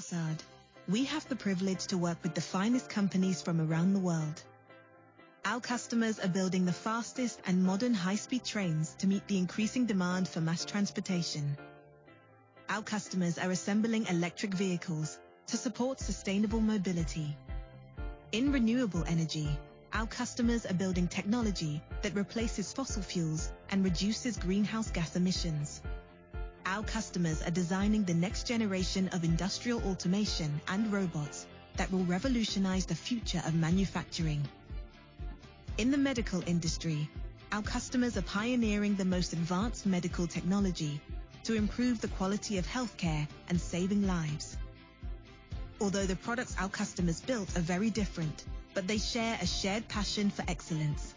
At Bossard, we have the privilege to work with the finest companies from around the world. Our customers are building the fastest and modern high-speed trains to meet the increasing demand for mass transportation. Our customers are assembling electric vehicles to support sustainable mobility. In renewable energy, our customers are building technology that replaces fossil fuels and reduces greenhouse gas emissions. Our customers are designing the next generation of industrial automation and robots that will revolutionize the future of manufacturing. In the medical industry, our customers are pioneering the most advanced medical technology to improve the quality of healthcare and saving lives. Although the products our customers built are very different, but they share a shared passion for excellence.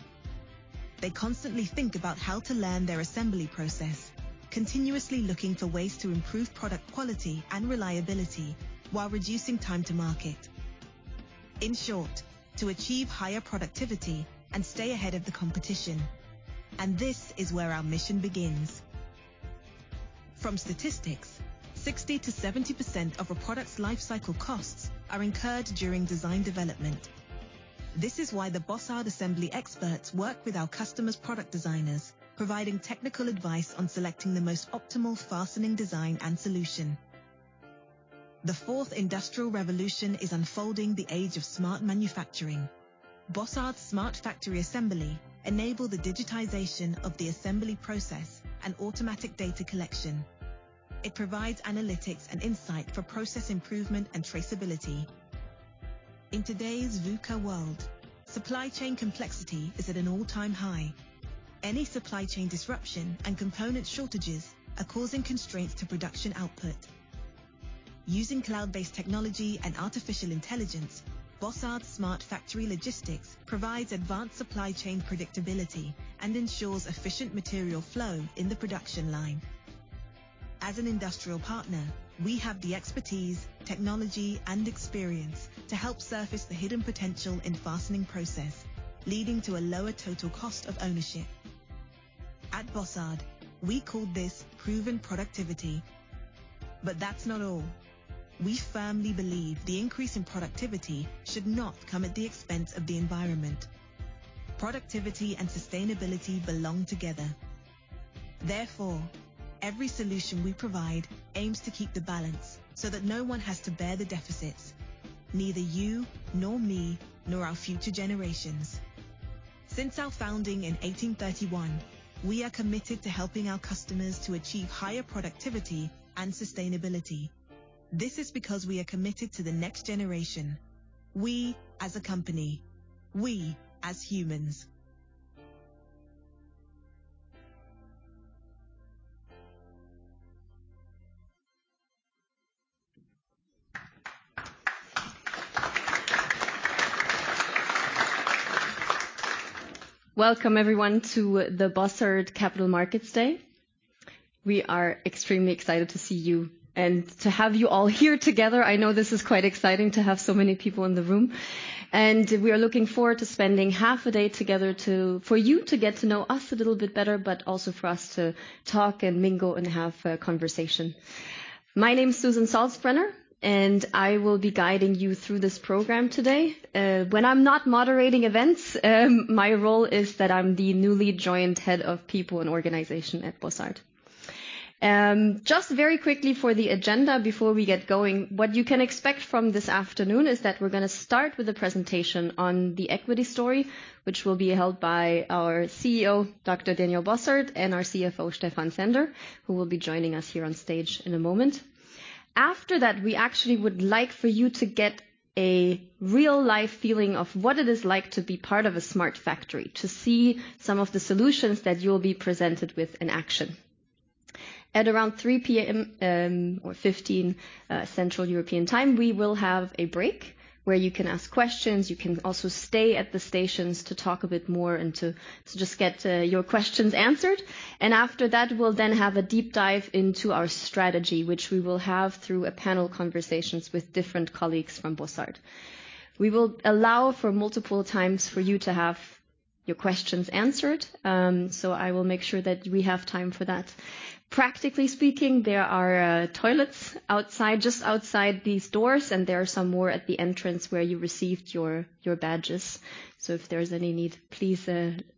They constantly think about how to learn their assembly process, continuously looking for ways to improve product quality and reliability while reducing time to market. In short, to achieve higher productivity and stay ahead of the competition. This is where our mission begins. From statistics, 60%-70% of a product's life cycle costs are incurred during design development. This is why the Bossard assembly experts work with our customers' product designers, providing technical advice on selecting the most optimal fastening design and solution. The fourth industrial revolution is unfolding the age of smart manufacturing. Bossard Smart Factory Assembly enable the digitization of the assembly process and automatic data collection. It provides analytics and insight for process improvement and traceability. In today's VUCA world, supply chain complexity is at an all-time high. Any supply chain disruption and component shortages are causing constraints to production output. Using cloud-based technology and artificial intelligence, Bossard Smart Factory Logistics provides advanced supply chain predictability and ensures efficient material flow in the production line. As an industrial partner, we have the expertise, technology, and experience to help surface the hidden potential in fastening process, leading to a lower total cost of ownership. At Bossard, we call this Proven Productivity. That's not all. We firmly believe the increase in productivity should not come at the expense of the environment. Productivity and sustainability belong together. Therefore, every solution we provide aims to keep the balance so that no one has to bear the deficits, neither you nor me, nor our future generations. Since our founding in 1831, we are committed to helping our customers to achieve higher productivity and sustainability. This is because we are committed to the next generation. We as a company. We as humans. Welcome everyone to the Bossard Capital Markets Day. We are extremely excited to see you and to have you all here together. I know this is quite exciting to have so many people in the room, and we are looking forward to spending half a day together for you to get to know us a little bit better, but also for us to talk and mingle and have a conversation. My name is Susan Salzbrenner, and I will be guiding you through this program today. When I'm not moderating events, my role is that I'm the newly joined Head of People and Organization at Bossard. Just very quickly for the agenda before we get going. What you can expect from this afternoon is that we're gonna start with a presentation on the equity story, which will be held by our CEO, Dr. Daniel Bossard, and our CFO, Stephan Zehnder, who will be joining us here on stage in a moment. After that, we actually would like for you to get a real-life feeling of what it is like to be part of a smart factory, to see some of the solutions that you'll be presented with in action. At around 3:00 P.M., or 15:00, Central European Time, we will have a break where you can ask questions. You can also stay at the stations to talk a bit more and to just get your questions answered. After that, we'll then have a deep dive into our strategy, which we will have through a panel conversations with different colleagues from Bossard. We will allow for multiple times for you to have your questions answered. I will make sure that we have time for that. Practically speaking, there are toilets outside, just outside these doors, and there are some more at the entrance where you received your badges. If there's any need, please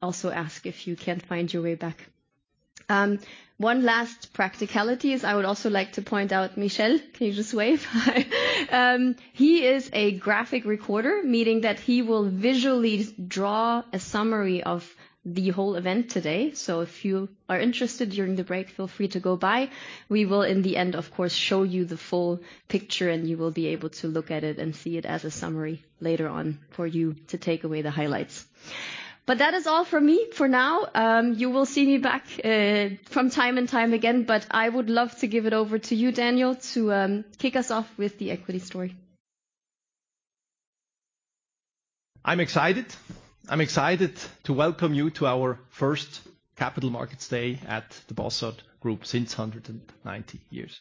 also ask if you can't find your way back. One last practicality is I would also like to point out, Michelle, can you just wave? Hi. He is a graphic recorder, meaning that he will visually draw a summary of the whole event today. If you are interested during the break, feel free to go by. We will, in the end, of course, show you the full picture, and you will be able to look at it and see it as a summary later on for you to take away the highlights. That is all for me for now. You will see me back from time and time again, but I would love to give it over to you, Daniel, to kick us off with the equity story. I'm excited to welcome you to our first Capital Markets Day at the Bossard Group since 190 years.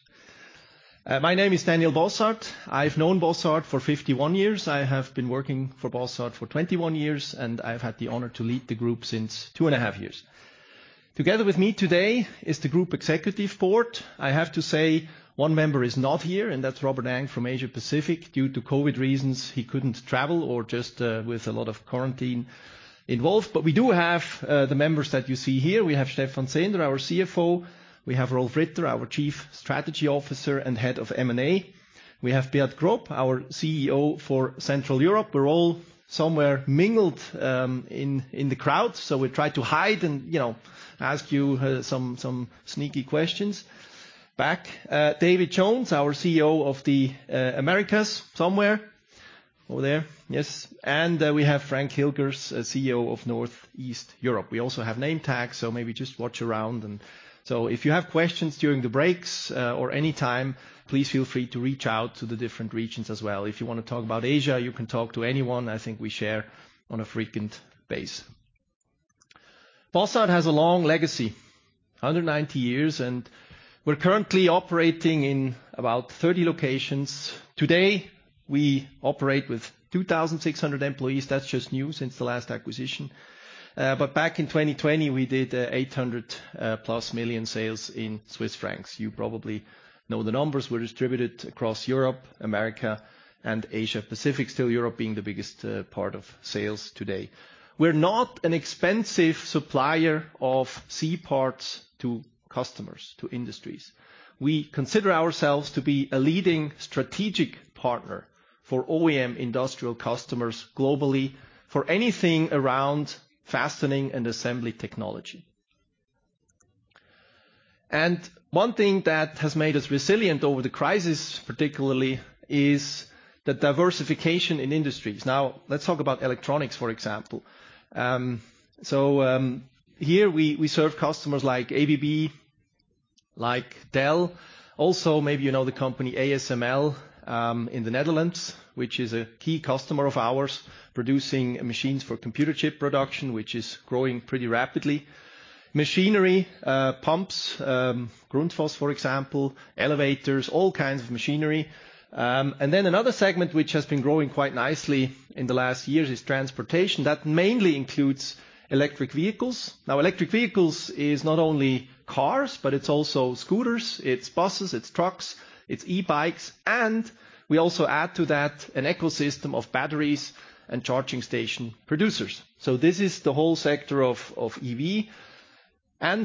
My name is Daniel Bossard. I've known Bossard for 51 years. I have been working for Bossard for 21 years, and I've had the honor to lead the group since 2.5 years. Together with me today is the group executive board. I have to say one member is not here, and that's Robert Ang from Asia Pacific. Due to COVID reasons, he couldn't travel or just with a lot of quarantine involved. But we do have the members that you see here. We have Stephan Zehnder, our CFO. We have Rolf Ritter, our Chief Strategy Officer and Head of M&A. We have Beat Grob, our CEO for Central Europe. We're all somewhere mingled in the crowd. We try to hide and, you know, ask you some sneaky questions back. David Jones, our CEO of the America somewhere. Over there. Yes. We have Frank Hilgers, CEO of Northern & Eastern Europe. We also have name tags, so maybe just look around. If you have questions during the breaks, or any time, please feel free to reach out to the different regions as well. If you wanna talk about Asia, you can talk to anyone. I think we share on a frequent basis. Bossard has a long legacy, 190 years, and we're currently operating in about 30 locations. Today, we operate with 2,600 employees. That's just new since the last acquisition. But back in 2020, we did 800+ million sales in Swiss francs. You probably know the numbers were distributed across Europe, America, and Asia Pacific. Still, Europe being the biggest part of sales today. We're not an expensive supplier of C-parts to customers, to industries. We consider ourselves to be a leading strategic partner for OEM industrial customers globally for anything around fastening and assembly technology. One thing that has made us resilient over the crisis, particularly, is the diversification in industries. Now, let's talk about electronics, for example. Here we serve customers like ABB, like Dell. Also, maybe you know the company ASML in the Netherlands, which is a key customer of ours, producing machines for computer chip production, which is growing pretty rapidly. Machinery, pumps, Grundfos, for example, elevators, all kinds of machinery. Another segment which has been growing quite nicely in the last years is transportation. That mainly includes electric vehicles. Now, electric vehicles is not only cars, but it's also scooters, it's buses, it's trucks, it's e-bikes, and we also add to that an ecosystem of batteries and charging station producers. This is the whole sector of EV.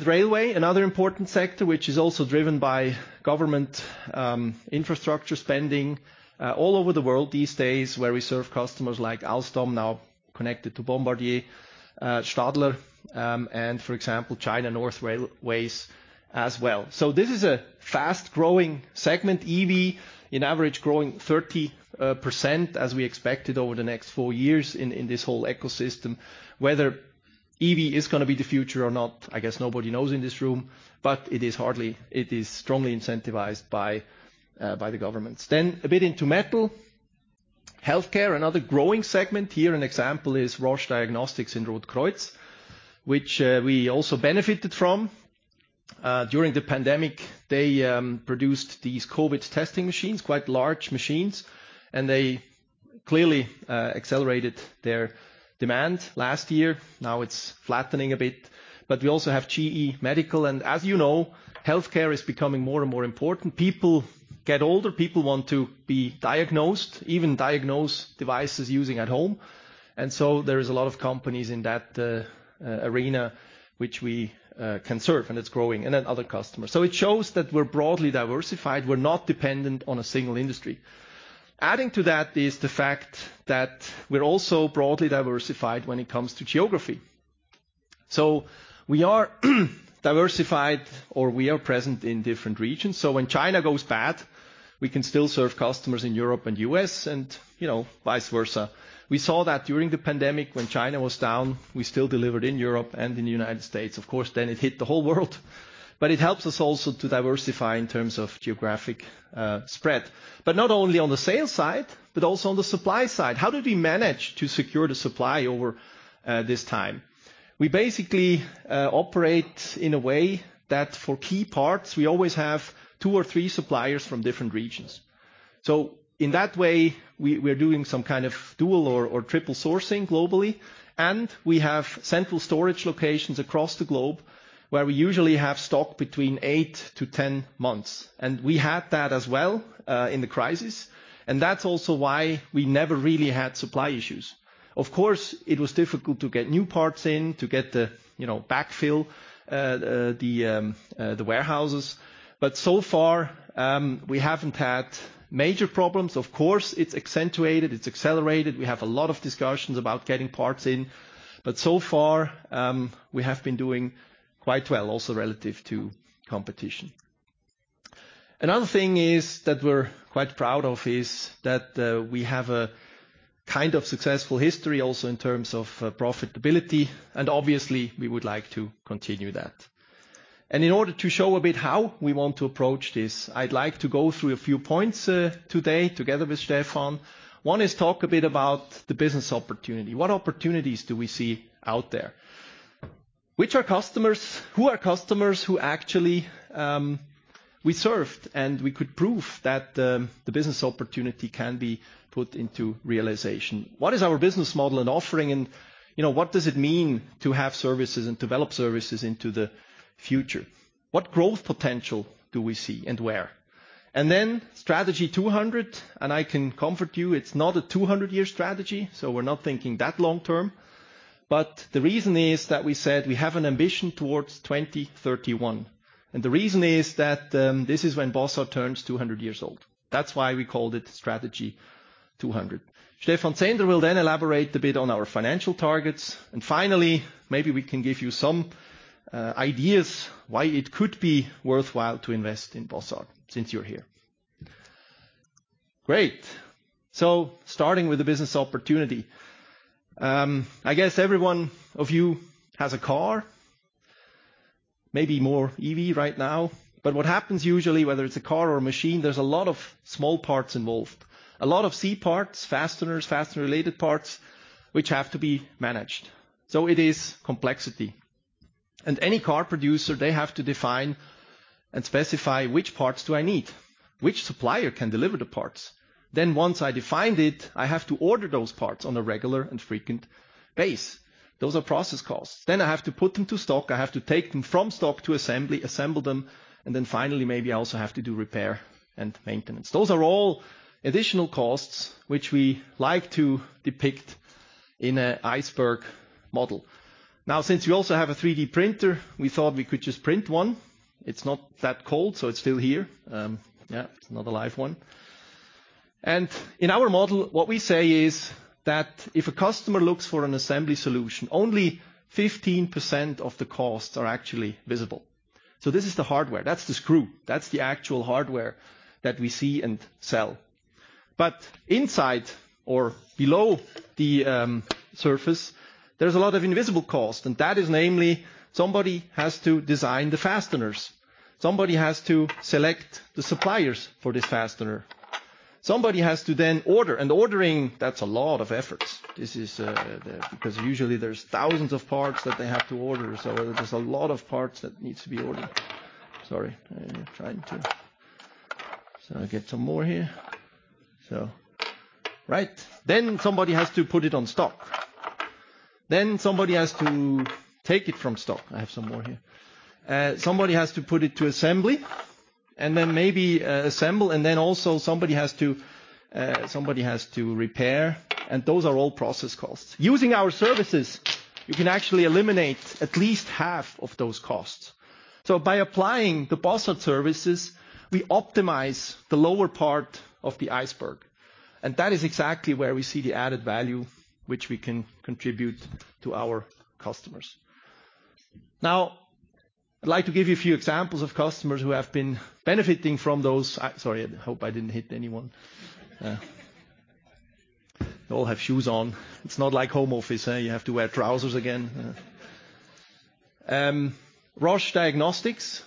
Railway, another important sector, which is also driven by government infrastructure spending all over the world these days, where we serve customers like Alstom, now connected to Bombardier, Stadler, and for example, China North Railways as well. This is a fast-growing segment, EV, in average growing 30% as we expected over the next four years in this whole ecosystem. Whether EV is gonna be the future or not, I guess nobody knows in this room, but it is strongly incentivized by the governments. A bit into metal. Healthcare, another growing segment. Here, an example is Roche Diagnostics in Rotkreuz, which we also benefited from. During the pandemic, they produced these COVID testing machines, quite large machines, and they clearly accelerated their demand last year. Now it's flattening a bit, but we also have GE HealthCare. As you know, healthcare is becoming more and more important. People get older. People want to be diagnosed, even using diagnostic devices at home. There is a lot of companies in that arena which we can serve, and it's growing, and then other customers. It shows that we're broadly diversified. We're not dependent on a single industry. Adding to that is the fact that we're also broadly diversified when it comes to geography. We are diversified or we are present in different regions. When China goes bad, we can still serve customers in Europe and U.S. and, you know, vice versa. We saw that during the pandemic when China was down, we still delivered in Europe and in the United States. Of course, then it hit the whole world, but it helps us also to diversify in terms of geographic spread. Not only on the sales side, but also on the supply side. How did we manage to secure the supply over this time? We basically operate in a way that for key parts, we always have two or three suppliers from different regions. In that way, we're doing some kind of dual or triple sourcing globally, and we have central storage locations across the globe, where we usually have stock between 8-10 months. We had that as well in the crisis, and that's also why we never really had supply issues. Of course, it was difficult to get new parts in, to get the, you know, backfill, the warehouses. But so far, we haven't had major problems. Of course, it's accentuated, it's accelerated. We have a lot of discussions about getting parts in. But so far, we have been doing quite well also relative to competition. Another thing is, that we're quite proud of is that, we have a kind of successful history also in terms of, profitability, and obviously we would like to continue that. In order to show a bit how we want to approach this, I'd like to go through a few points, today together with Stephan. One is talk a bit about the business opportunity. What opportunities do we see out there? Which are customers—Who are customers who actually we served, and we could prove that, the business opportunity can be put into realization. What is our business model and offering and, you know, what does it mean to have services and develop services into the future? What growth potential do we see and where? Then Strategy 200, and I can comfort you, it's not a 200-year strategy, so we're not thinking that long term. The reason is that we said we have an ambition towards 2031, and the reason is that, this is when Bossard turns 200 years old. That's why we called it Strategy 200. Stephan Zehnder will then elaborate a bit on our financial targets and finally, maybe we can give you some ideas why it could be worthwhile to invest in Bossard since you're here. Great. Starting with the business opportunity. I guess every one of you has a car, maybe more EV right now. What happens usually, whether it's a car or a machine, there's a lot of small parts involved. A lot of C-parts, fasteners, fastener-related parts, which have to be managed. It is complexity. Any car producer, they have to define and specify which parts do I need, which supplier can deliver the parts. Then once I defined it, I have to order those parts on a regular and frequent basis. Those are process costs. I have to put them to stock, I have to take them from stock to assembly, assemble them, and then finally, maybe I also have to do repair and maintenance. Those are all additional costs, which we like to depict in an iceberg model. Now, since we also have a 3D printer, we thought we could just print one. It's not that cold, so it's still here. Yeah, it's not a live one. In our model, what we say is that if a customer looks for an assembly solution, only 15% of the costs are actually visible. So this is the hardware. That's the screw. That's the actual hardware that we see and sell. But inside or below the surface, there's a lot of invisible cost, and that is namely, somebody has to design the fasteners. Somebody has to select the suppliers for this fastener. Somebody has to then order. Ordering, that's a lot of efforts. This is because usually there's thousands of parts that they have to order, so there's a lot of parts that needs to be ordered. Somebody has to put it on stock. Somebody has to take it from stock. Somebody has to put it to assembly, and then maybe assemble, and then also somebody has to repair, and those are all process costs. Using our services, you can actually eliminate at least half of those costs. By applying the Bossard services, we optimize the lower part of the iceberg. That is exactly where we see the added value which we can contribute to our customers. Now, I'd like to give you a few examples of customers who have been benefiting from those. Sorry, I hope I didn't hit anyone. You all have shoes on. It's not like home office, eh, you have to wear trousers again. Roche Diagnostics.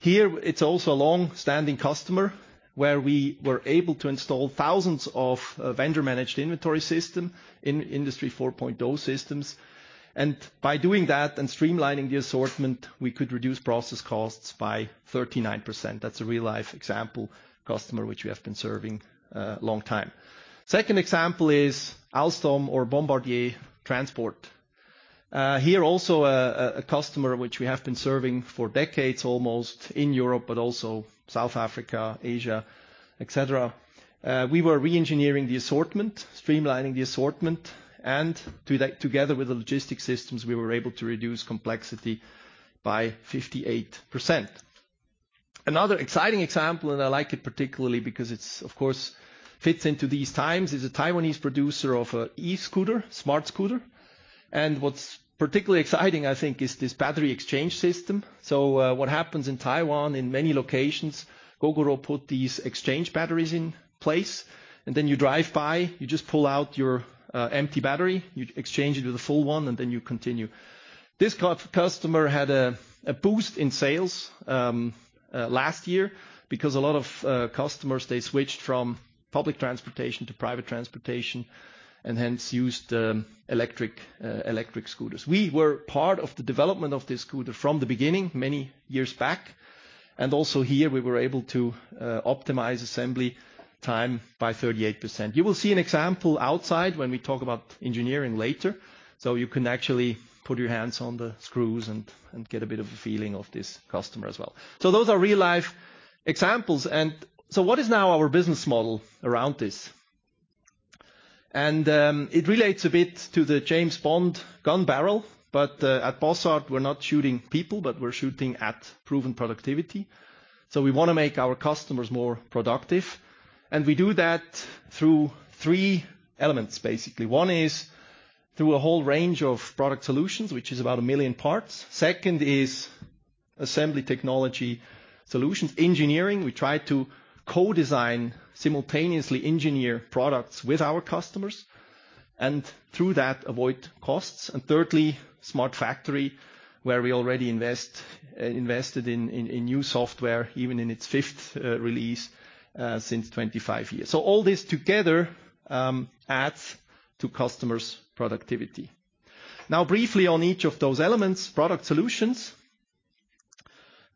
Here it's also a long-standing customer, where we were able to install thousands of vendor-managed inventory systems in Industry 4.0 systems. By doing that and streamlining the assortment, we could reduce process costs by 39%. That's a real-life example customer which we have been serving long time. Second example is Alstom or Bombardier Transport. Here also a customer which we have been serving for decades, almost, in Europe, but also South Africa, Asia, et cetera. We were re-engineering the assortment, streamlining the assortment, and together with the logistics systems, we were able to reduce complexity by 58%. Another exciting example, I like it particularly because it's, of course, fits into these times, is a Taiwanese producer of e-scooter, smart scooter. What's particularly exciting, I think, is this battery exchange system. What happens in Taiwan, in many locations, Gogoro put these exchange batteries in place, and then you drive by, you just pull out your empty battery, you exchange it with a full one, and then you continue. This customer had a boost in sales last year because a lot of customers, they switched from public transportation to private transportation and hence used electric scooters. We were part of the development of this scooter from the beginning many years back, and also here, we were able to optimize assembly time by 38%. You will see an example outside when we talk about engineering later. You can actually put your hands on the screws and get a bit of a feeling of this customer as well. Those are real-life examples. What is now our business model around this? It relates a bit to the James Bond gun barrel, but at Bossard, we're not shooting people, but we're shooting at Proven Productivity. We wanna make our customers more productive. We do that through three elements, basically. One is through a whole range of product solutions, which is about a million parts. Second is assembly technology solutions. engineering, we try to co-design, simultaneously engineer products with our customers, and through that, avoid costs. Thirdly, smart factory, where we already invested in new software, even in its fifth release since 25 years. All this together adds to customers' productivity. Now briefly on each of those elements, product solutions.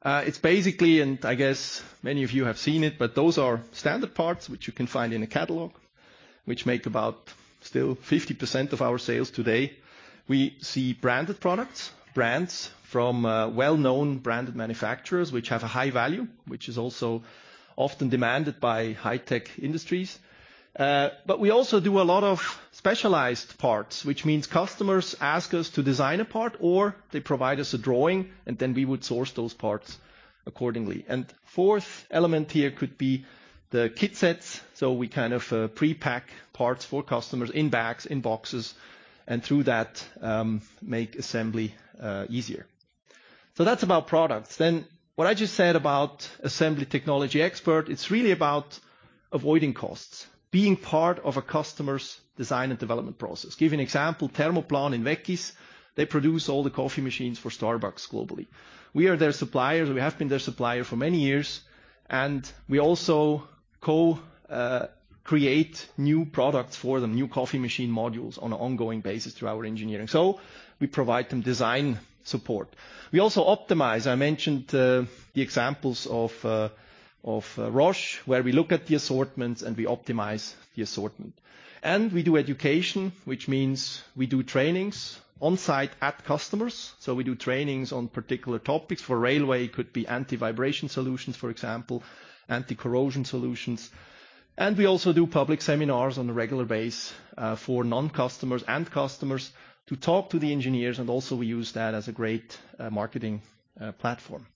It's basically, and I guess many of you have seen it, but those are standard parts which you can find in a catalog, which make about still 50% of our sales today. We see branded products, brands from well-known branded manufacturers which have a high value, which is also often demanded by high-tech industries. But we also do a lot of specialized parts, which means customers ask us to design a part, or they provide us a drawing, and then we would source those parts accordingly. Fourth element here could be the kit sets. We kind of pre-pack parts for customers in bags, in boxes, and through that, make assembly easier. That's about products. What I just said about assembly technology expert, it's really about avoiding costs, being part of a customer's design and development process. Give you an example, Thermoplan in Weggis, they produce all the coffee machines for Starbucks globally. We are their suppliers. We have been their supplier for many years, and we also create new products for them, new coffee machine modules on an ongoing basis through our engineering. We provide them design support. We also optimize. I mentioned the examples of Roche, where we look at the assortments, and we optimize the assortment. We do education, which means we do trainings on-site at customers. We do trainings on particular topics. For railway, it could be anti-vibration solutions, for example, anti-corrosion solutions. We also do public seminars on a regular basis, for non-customers and customers to talk to the engineers, and also we use that as a great, marketing, platform.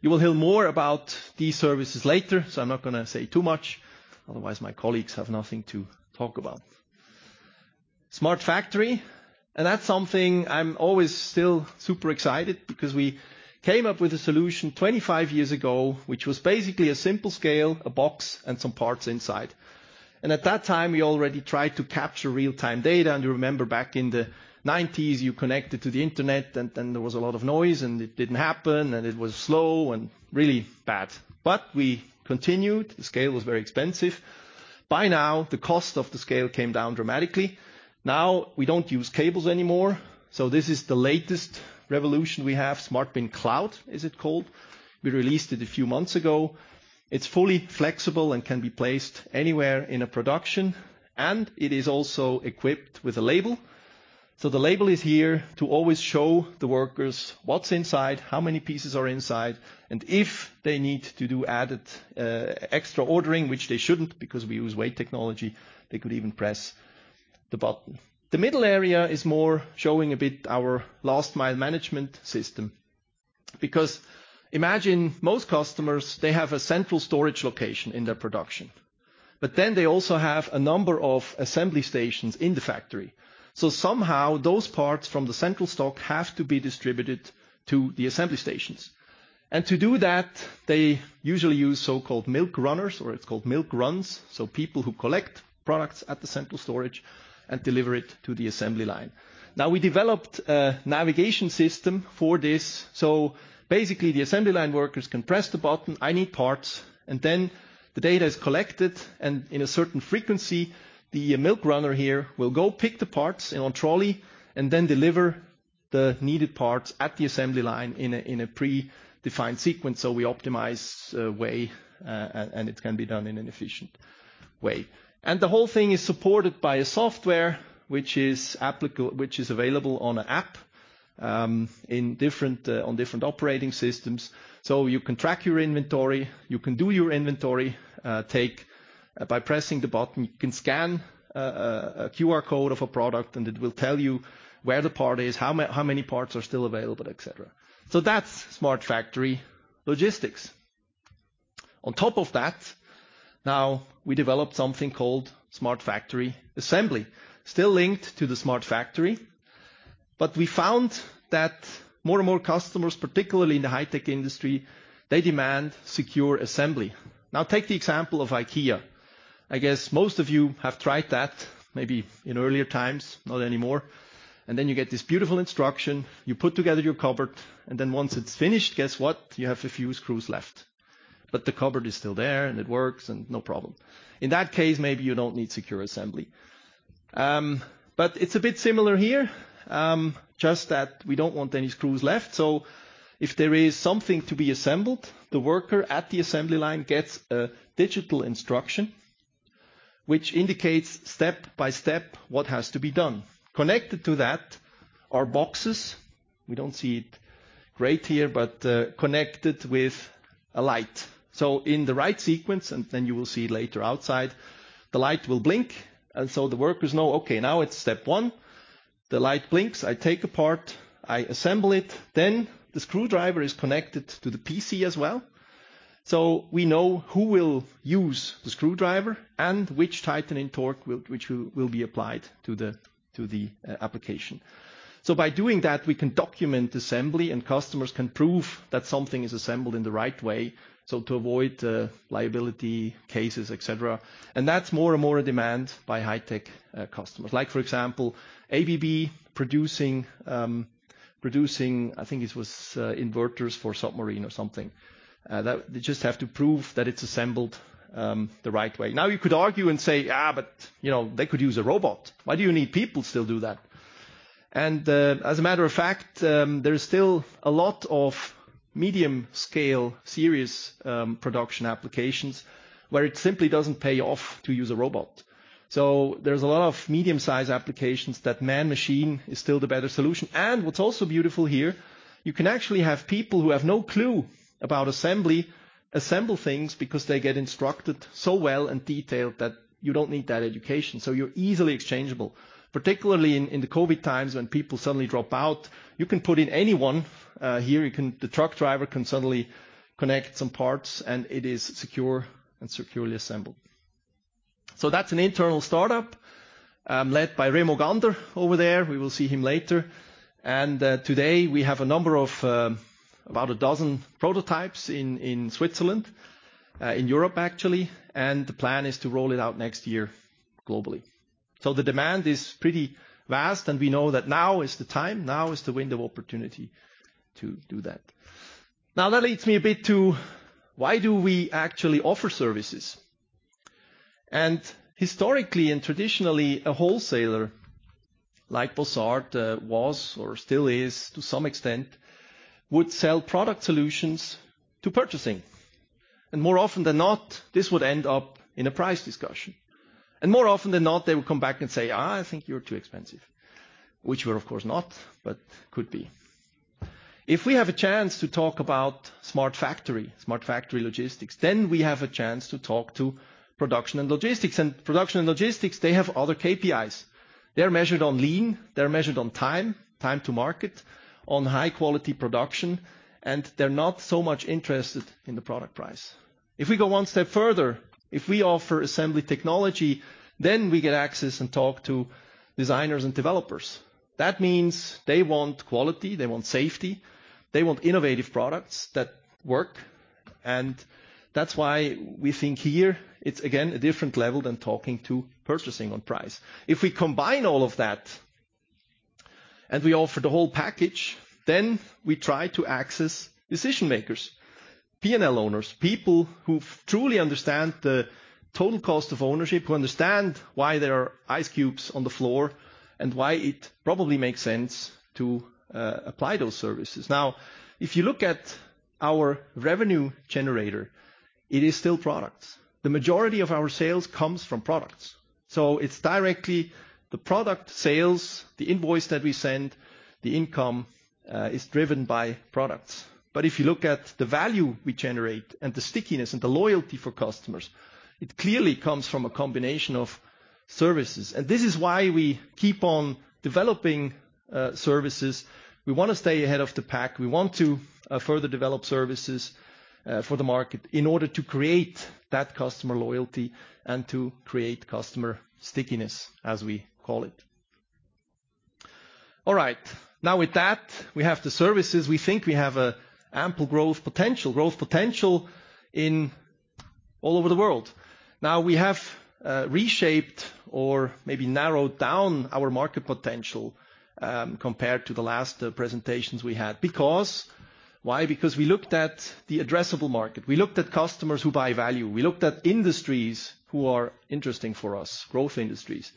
You will hear more about these services later, so I'm not gonna say too much, otherwise my colleagues have nothing to talk about. Smart Factory, that's something I'm always still super excited because we came up with a solution 25 years ago, which was basically a simple scale, a box, and some parts inside. At that time, we already tried to capture real-time data, and you remember back in the 1990s, you connected to the internet, and then there was a lot of noise, and it didn't happen, and it was slow and really bad. We continued. The scale was very expensive. By now, the cost of the scale came down dramatically. Now we don't use cables anymore, so this is the latest revolution we have, SmartBin Cloud, as it's called. We released it a few months ago. It's fully flexible and can be placed anywhere in a production, and it is also equipped with a label. So the label is here to always show the workers what's inside, how many pieces are inside, and if they need to do ad hoc extra ordering, which they shouldn't because we use weight technology, they could even press the button. The middle area is more showing a bit our last mile management system. Because imagine most customers, they have a central storage location in their production, but then they also have a number of assembly stations in the factory. Somehow, those parts from the central stock have to be distributed to the assembly stations. To do that, they usually use so-called milk runners, or it's called milk runs. People who collect products at the central storage and deliver it to the assembly line. Now, we developed a navigation system for this. Basically, the assembly line workers can press the button, "I need parts," and then the data is collected, and in a certain frequency, the milk runner here will go pick the parts in one trolley and then deliver the needed parts at the assembly line in a predefined sequence, so we optimize the way, and it can be done in an efficient way. The whole thing is supported by a software which is available on an app in different on different operating systems. You can track your inventory, you can do your inventory take by pressing the button. You can scan a QR code of a product, and it will tell you where the part is, how many parts are still available, et cetera. That's smart factory logistics. On top of that, now we developed something called smart factory assembly. Still linked to the smart factory, but we found that more and more customers, particularly in the high-tech industry, they demand secure assembly. Now take the example of IKEA. I guess most of you have tried that maybe in earlier times, not anymore. Then you get this beautiful instruction, you put together your cupboard, and then once it's finished, guess what. You have a few screws left. But the cupboard is still there, and it works, and no problem. In that case, maybe you don't need secure assembly. It's a bit similar here, just that we don't want any screws left. If there is something to be assembled, the worker at the assembly line gets a digital instruction which indicates step by step what has to be done. Connected to that are boxes, we don't see it great here, but connected with a light. In the right sequence, and then you will see later outside, the light will blink, and so the workers know, "Okay, now it's step one. The light blinks, I take a part, I assemble it." The screwdriver is connected to the PC as well. We know who will use the screwdriver and which tightening torque will be applied to the application. By doing that, we can document assembly, and customers can prove that something is assembled in the right way, so to avoid liability cases, et cetera. That's more and more in demand by high-tech customers. Like for example, ABB producing, I think it was, inverters for submarine or something. They just have to prove that it's assembled the right way. Now you could argue and say, "but, you know, they could use a robot. Why do you need people to still do that?" As a matter of fact, there's still a lot of medium-scale series production applications where it simply doesn't pay off to use a robot. There's a lot of medium-sized applications that man-machine is still the better solution. What's also beautiful here, you can actually have people who have no clue about assembly, assemble things because they get instructed so well and detailed that you don't need that education. You're easily exchangeable, particularly in the COVID times when people suddenly drop out, you can put in anyone. The truck driver can suddenly connect some parts, and it is secure and securely assembled. That's an internal startup, led by Remo Gander over there. We will see him later. Today we have a number of about a dozen prototypes in Switzerland, in Europe, actually, and the plan is to roll it out next year globally. The demand is pretty vast, and we know that now is the time, now is the window of opportunity to do that. Now, that leads me a bit to why do we actually offer services? Historically and traditionally, a wholesaler like Bossard was or still is to some extent would sell product solutions to purchasing. More often than not, this would end up in a price discussion. More often than not, they would come back and say, "I think you're too expensive." Which we're of course not, but could be. If we have a chance to talk about smart factory, smart factory logistics, then we have a chance to talk to production and logistics. Production and logistics, they have other KPIs. They're measured on lean, they're measured on time to market, on high quality production, and they're not so much interested in the product price. If we go one step further, if we offer assembly technology, then we get access and talk to designers and developers. That means they want quality, they want safety, they want innovative products that work. That's why we think here it's again, a different level than talking to purchasing on price. If we combine all of that and we offer the whole package, then we try to access decision-makers, P&L owners, people who truly understand the total cost of ownership, who understand why there are ice cubes on the floor, and why it probably makes sense to apply those services. Now, if you look at our revenue generator, it is still products. The majority of our sales comes from products, so it's directly the product sales, the invoice that we send, the income is driven by products but if you look at the value we generate and the stickiness and the loyalty for customers, it clearly comes from a combination of services. This is why we keep on developing services. We wanna stay ahead of the pack. We want to further develop services for the market in order to create that customer loyalty and to create customer stickiness, as we call it. All right. Now with that, we have the services. We think we have an ample growth potential in all over the world. Now we have reshaped or maybe narrowed down our market potential compared to the last presentations we had. Because why? Because we looked at the addressable market. We looked at customers who buy value. We looked at industries who are interesting for us, growth industries.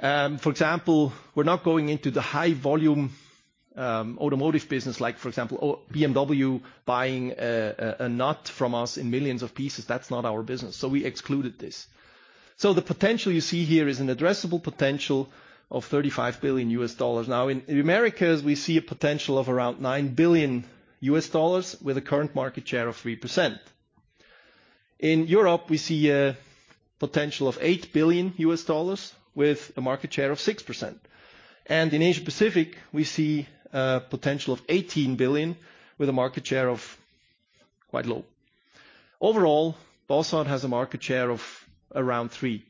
For example, we're not going into the high volume automotive business like for example, BMW buying a nut from us in millions of pieces. That's not our business, so we excluded this. The potential you see here is an addressable potential of $35 billion. Now in Americas, we see a potential of around $9 billion with a current market share of 3%. In Europe, we see a potential of $8 billion with a market share of 6%. And in Asia Pacific, we see a potential of $18 billion with a market share of quite low. Overall, Bossard has a market share of around 3%.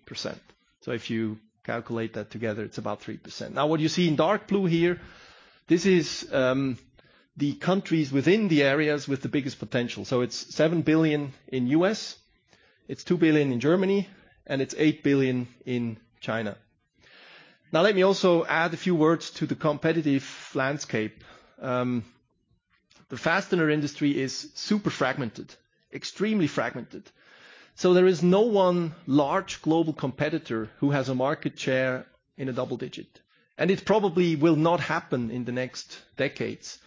If you calculate that together, it's about 3%. Now, what you see in dark blue here, this is the countries within the areas with the biggest potential. It's $7 billion in U.S., it's $2 billion in Germany, and it's $8 billion in China. Now, let me also add a few words to the competitive landscape. The fastener industry is super fragmented, extremely fragmented. There is no one large global competitor who has a market share in a double digit, and it probably will not happen in the next decades.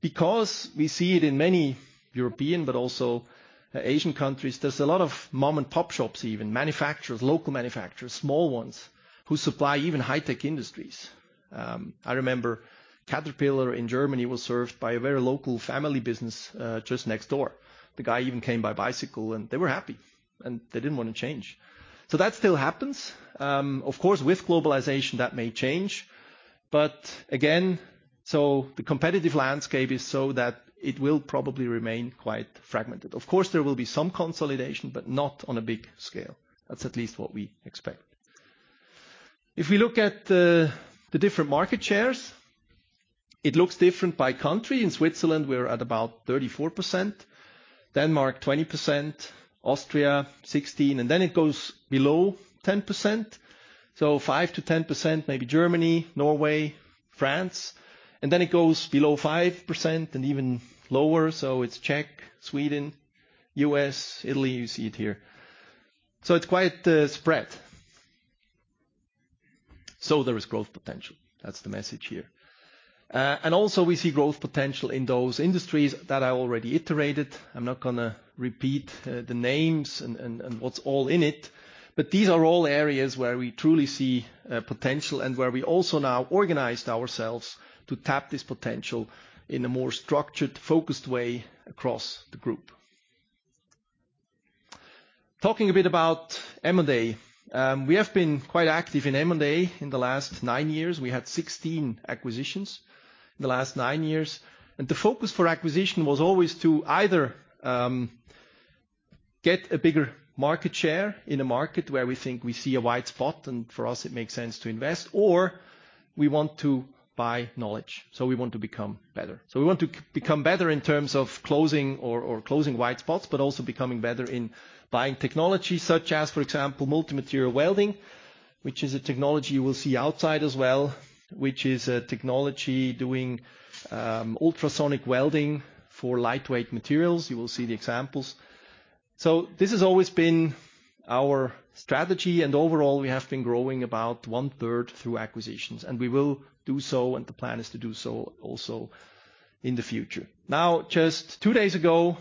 Because we see it in many European but also Asian countries, there's a lot of mom-and-pop shops even, manufacturers, local manufacturers, small ones, who supply even high-tech industries. I remember Caterpillar in Germany was served by a very local family business, just next door. The guy even came by bicycle, and they were happy, and they didn't wanna change. That still happens. Of course, with globalization, that may change. Again, so the competitive landscape is so that it will probably remain quite fragmented. Of course, there will be some consolidation, but not on a big scale. That's at least what we expect. If we look at the different market shares, it looks different by country. In Switzerland, we're at about 34%, Denmark, 20%, Austria, 16%, and then it goes below 10%. Five to 10%, maybe Germany, Norway, France, and then it goes below 5% and even lower. It's Czech, Sweden, U.S., Italy, you see it here. It's quite spread. There is growth potential. That's the message here. And also we see growth potential in those industries that I already iterated. I'm not gonna repeat the names and what's all in it, but these are all areas where we truly see potential and where we also now organized ourselves to tap this potential in a more structured, focused way across the group. Talking a bit about M&A. We have been quite active in M&A in the last nine years. We had 16 acquisitions in the last nine years, and the focus for acquisition was always to either get a bigger market share in a market where we think we see a white spot and for us it makes sense to invest, or we want to buy knowledge, so we want to become better. We want to become better in terms of closing or closing white spots, but also becoming better in buying technology such as, for example, multi-material welding, which is a technology you will see outside as well, which is a technology doing ultrasonic welding for lightweight materials. You will see the examples. This has always been our strategy, and overall we have been growing about one-third through acquisitions. We will do so, and the plan is to do so also in the future. Now, just two days ago,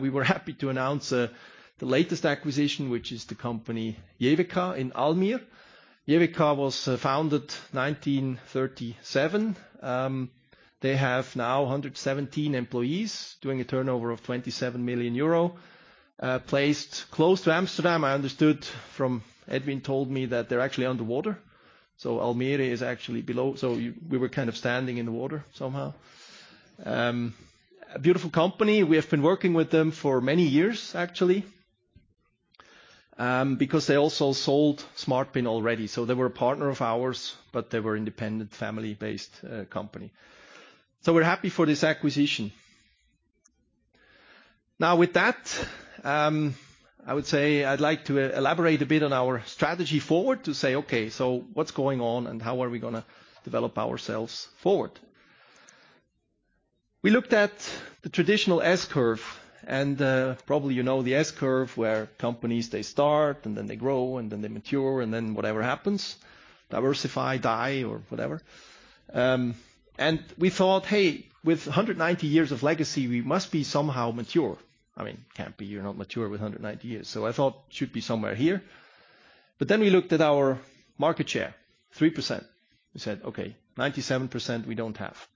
we were happy to announce the latest acquisition, which is the company Jeveka in Almere. Jeveka was founded 1937. They have now 117 employees doing a turnover of 27 million euro, placed close to Amsterdam. I understood from Edwin told me that they're actually under water, so Almere is actually below, so we were kind of standing in the water somehow. A beautiful company. We have been working with them for many years actually, because they also sold SmartBin already. They were a partner of ours, but they were independent family-based company. We're happy for this acquisition. Now with that, I would say I'd like to elaborate a bit on our strategy forward to say, okay, what's going on and how are we gonna develop ourselves forward? We looked at the traditional S-curve, and probably you know the S-curve where companies, they start and then they grow and then they mature and then whatever happens, diversify, die or whatever. We thought, hey, with 190 years of legacy, we must be somehow mature. I mean, can't be you're not mature with 190 years. I thought should be somewhere here. We looked at our market share, 3%. We said, "Okay, 97% we don't have."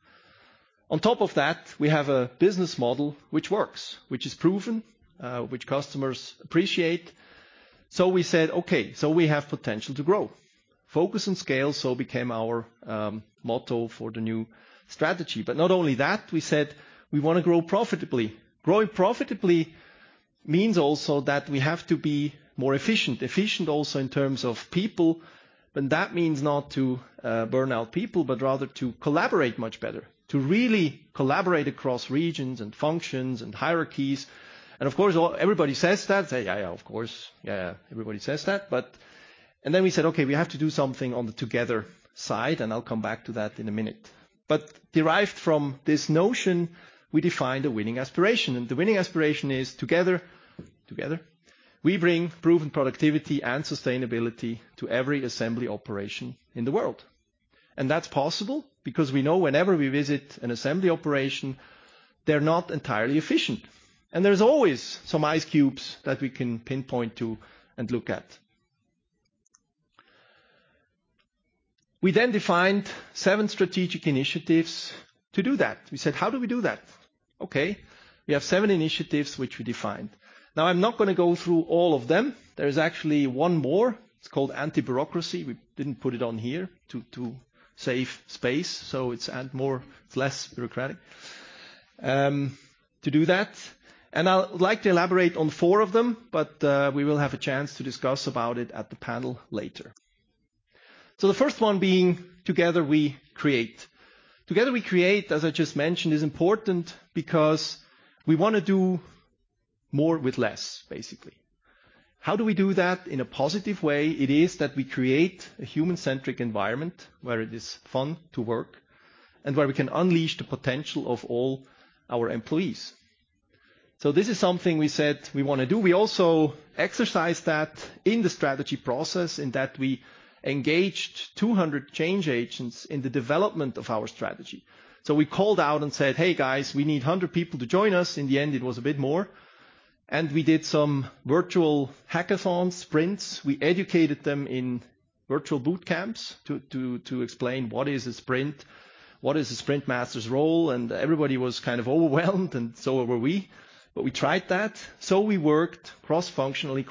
On top of that, we have a business model which works, which is proven, which customers appreciate. We said, "Okay, so we have potential to grow." Focus on scale became our motto for the new strategy. Not only that, we said we wanna grow profitably. Growing profitably means also that we have to be more efficient. Efficient also in terms of people, and that means not to burn out people, but rather to collaborate much better, to really collaborate across regions and functions and hierarchies. Of course, everybody says that, say, "Yeah, yeah, of course. Yeah, everybody says that." We said, "Okay, we have to do something on the together side," and I'll come back to that in a minute. Derived from this notion, we defined a winning aspiration. The winning aspiration is together we bring Proven Productivity and sustainability to every assembly operation in the world. That's possible because we know whenever we visit an assembly operation, they're not entirely efficient, and there's always some ice cubes that we can pinpoint to and look at. We then defined seven strategic initiatives to do that. We said, "How do we do that?" We have seven initiatives which we defined. Now, I'm not gonna go through all of them. There is actually one more. It's called anti-bureaucracy. We didn't put it on here to save space. It's less bureaucratic to do that, and I would like to elaborate on four of them, but we will have a chance to discuss about it at the panel later. The first one being Together We Create. Together We Create, as I just mentioned, is important because we wanna do more with less, basically. How do we do that in a positive way? It is that we create a human-centric environment where it is fun to work and where we can unleash the potential of all our employees. This is something we said we wanna do. We also exercise that in the strategy process in that we engaged 200 change agents in the development of our strategy. We called out and said, "Hey, guys, we need 100 people to join us." In the end, it was a bit more. We did some virtual hackathon sprints. We educated them in virtual boot camps to explain what is a sprint, what is a sprint master's role, and everybody was kind of overwhelmed and so were we, but we tried that. We worked cross-functionally,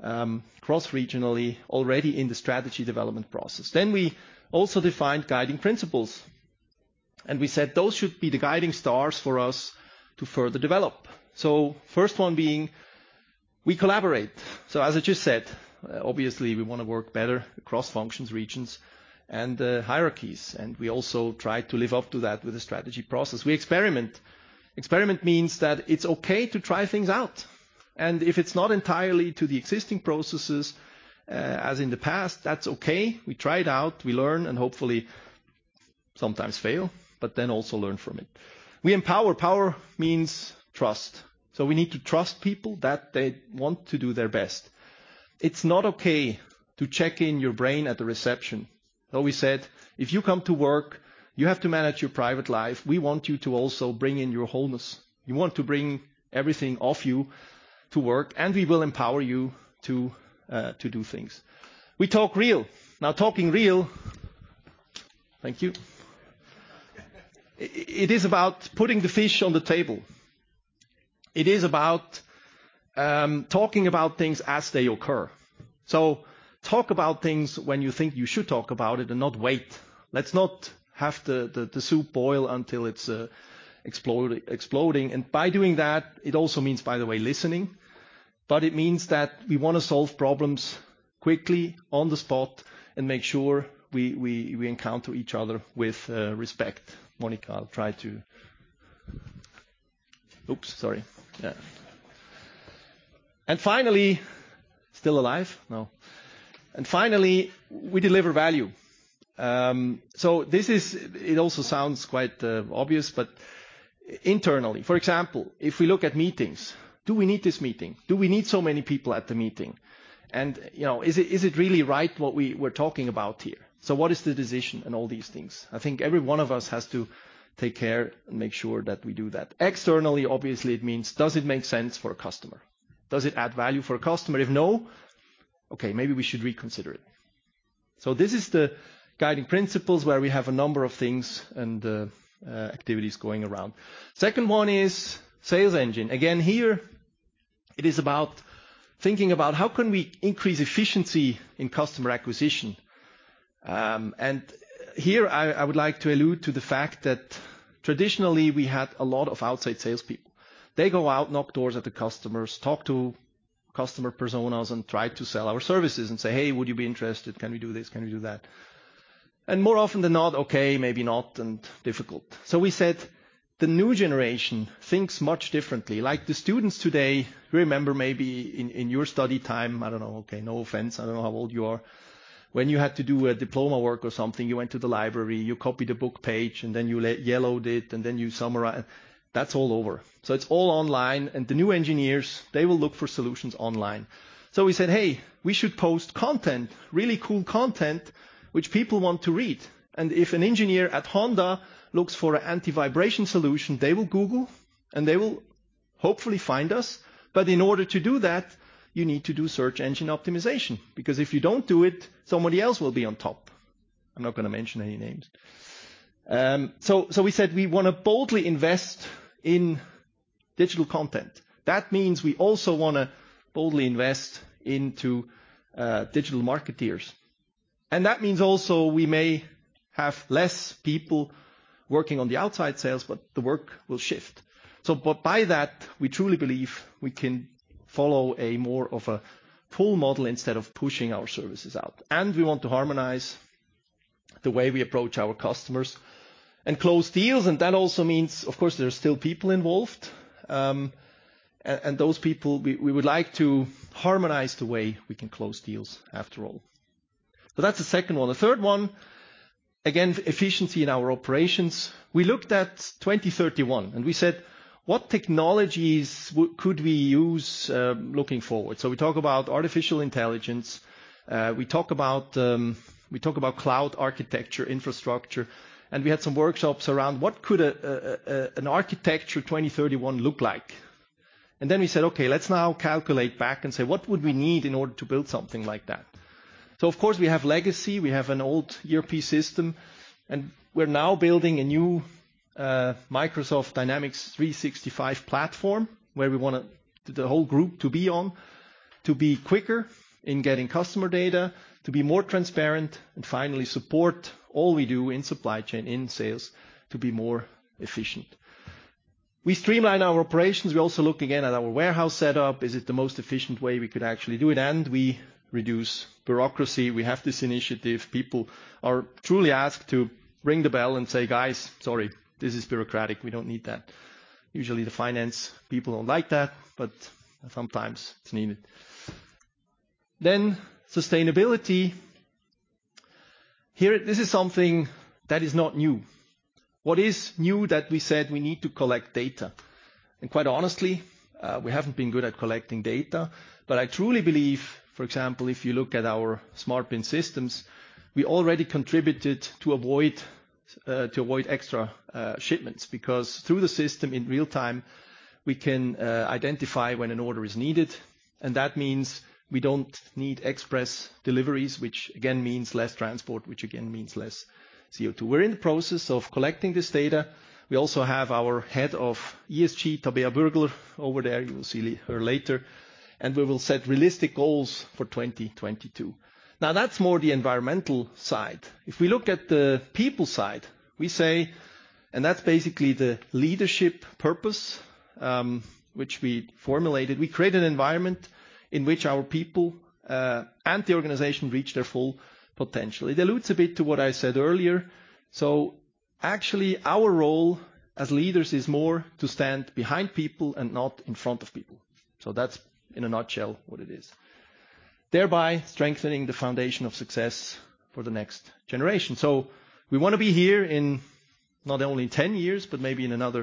cross-hierarchy, cross-regionally already in the strategy development process. We also defined guiding principles, and we said those should be the guiding stars for us to further develop. First one being, we collaborate. As I just said, obviously we wanna work better across functions, regions and hierarchies. We also try to live up to that with the strategy process. We experiment. Experiment means that it's okay to try things out, and if it's not entirely to the existing processes, as in the past, that's okay. We try it out, we learn, and hopefully sometimes fail, but then also learn from it. We empower. Power means trust. We need to trust people that they want to do their best. It's not okay to check in your brain at the reception. We said, "If you come to work, you have to manage your private life. We want you to also bring in your wholeness. We want to bring everything of you to work, and we will empower you to do things." We talk real. Now, talking real. Thank you. It is about putting the fish on the table. It is about talking about things as they occur. Talk about things when you think you should talk about it and not wait. Let's not have the soup boil until it's exploding. By doing that, it also means, by the way, listening. It means that we wanna solve problems quickly on the spot and make sure we encounter each other with respect. Monica, I'll try to. Oops, sorry. Yeah. Finally. Still alive? No. Finally, we deliver value. This is. It also sounds quite obvious, but internally. For example, if we look at meetings, do we need this meeting? Do we need so many people at the meeting? You know, is it really right what we were talking about here? What is the decision and all these things. I think every one of us has to take care and make sure that we do that. Externally, obviously, it means does it make sense for a customer? Does it add value for a customer? If no, okay, maybe we should reconsider it. This is the guiding principles where we have a number of things and activities going around. Second one is sales engine. Again, here it is about thinking about how can we increase efficiency in customer acquisition. Here I would like to allude to the fact that traditionally we had a lot of outside salespeople. They go out and knock doors at the customers, talk to customer personas and try to sell our services and say, "Hey, would you be interested? Can we do this? Can we do that?" More often than not, okay, maybe not, and difficult. We said the new generation thinks much differently. Like the students today, remember maybe in your study time, I don't know, okay, no offense, I don't know how old you are. When you had to do a diploma work or something, you went to the library, you copy the book page, and then you yellowed it, and then you summarize. That's all over. It's all online, and the new engineers, they will look for solutions online. We said, "Hey, we should post content, really cool content, which people want to read." If an engineer at Honda looks for an anti-vibration solution, they will Google, and they will hopefully find us. In order to do that, you need to do search engine optimization, because if you don't do it, somebody else will be on top. I'm not gonna mention any names. We said we wanna boldly invest in digital content. That means we also wanna boldly invest into digital marketeers. That means also we may have less people working on the outside sales, but the work will shift. By that, we truly believe we can follow a more of a pull model instead of pushing our services out. We want to harmonize the way we approach our customers and close deals, and that also means, of course, there are still people involved. And those people, we would like to harmonize the way we can close deals after all. That's the second one. The third one, again, efficiency in our operations. We looked at 2031 and we said, "What technologies could we use, looking forward?" We talk about artificial intelligence, we talk about cloud architecture, infrastructure, and we had some workshops around what could an architecture 2031 look like. We said, "Okay, let's now calculate back and say, what would we need in order to build something like that?" Of course, we have legacy, we have an old ERP system, and we're now building a new Microsoft Dynamics 365 platform where we want the whole group to be on, to be quicker in getting customer data, to be more transparent, and finally support all we do in supply chain, in sales, to be more efficient. We streamline our operations. We also look again at our warehouse setup. Is it the most efficient way we could actually do it? We reduce bureaucracy. We have this initiative. People are truly asked to ring the bell and say, "Guys, sorry, this is bureaucratic. We don't need that." Usually, the finance people don't like that, but sometimes it's needed. Then, sustainability. Here, this is something that is not new. What is new that we said we need to collect data. Quite honestly, we haven't been good at collecting data, but I truly believe, for example, if you look at our smart bin systems, we already contributed to avoid extra shipments, because through the system in real-time, we can identify when an order is needed, and that means we don't need express deliveries, which again means less transport, which again means less CO2. We're in the process of collecting this data. We also have our head of Tabea Bürglerrre, over there, you will see her later. We will set realistic goals for 2022. Now, that's more the environmental side. If we look at the people side, we say. That's basically the leadership purpose, which we formulated. We create an environment in which our people and the organization reach their full potential. It alludes a bit to what I said earlier. Actually, our role as leaders is more to stand behind people and not in front of people. That's in a nutshell what it is. Thereby strengthening the foundation of success for the next generation. We wanna be here in not only in 10 years, but maybe in another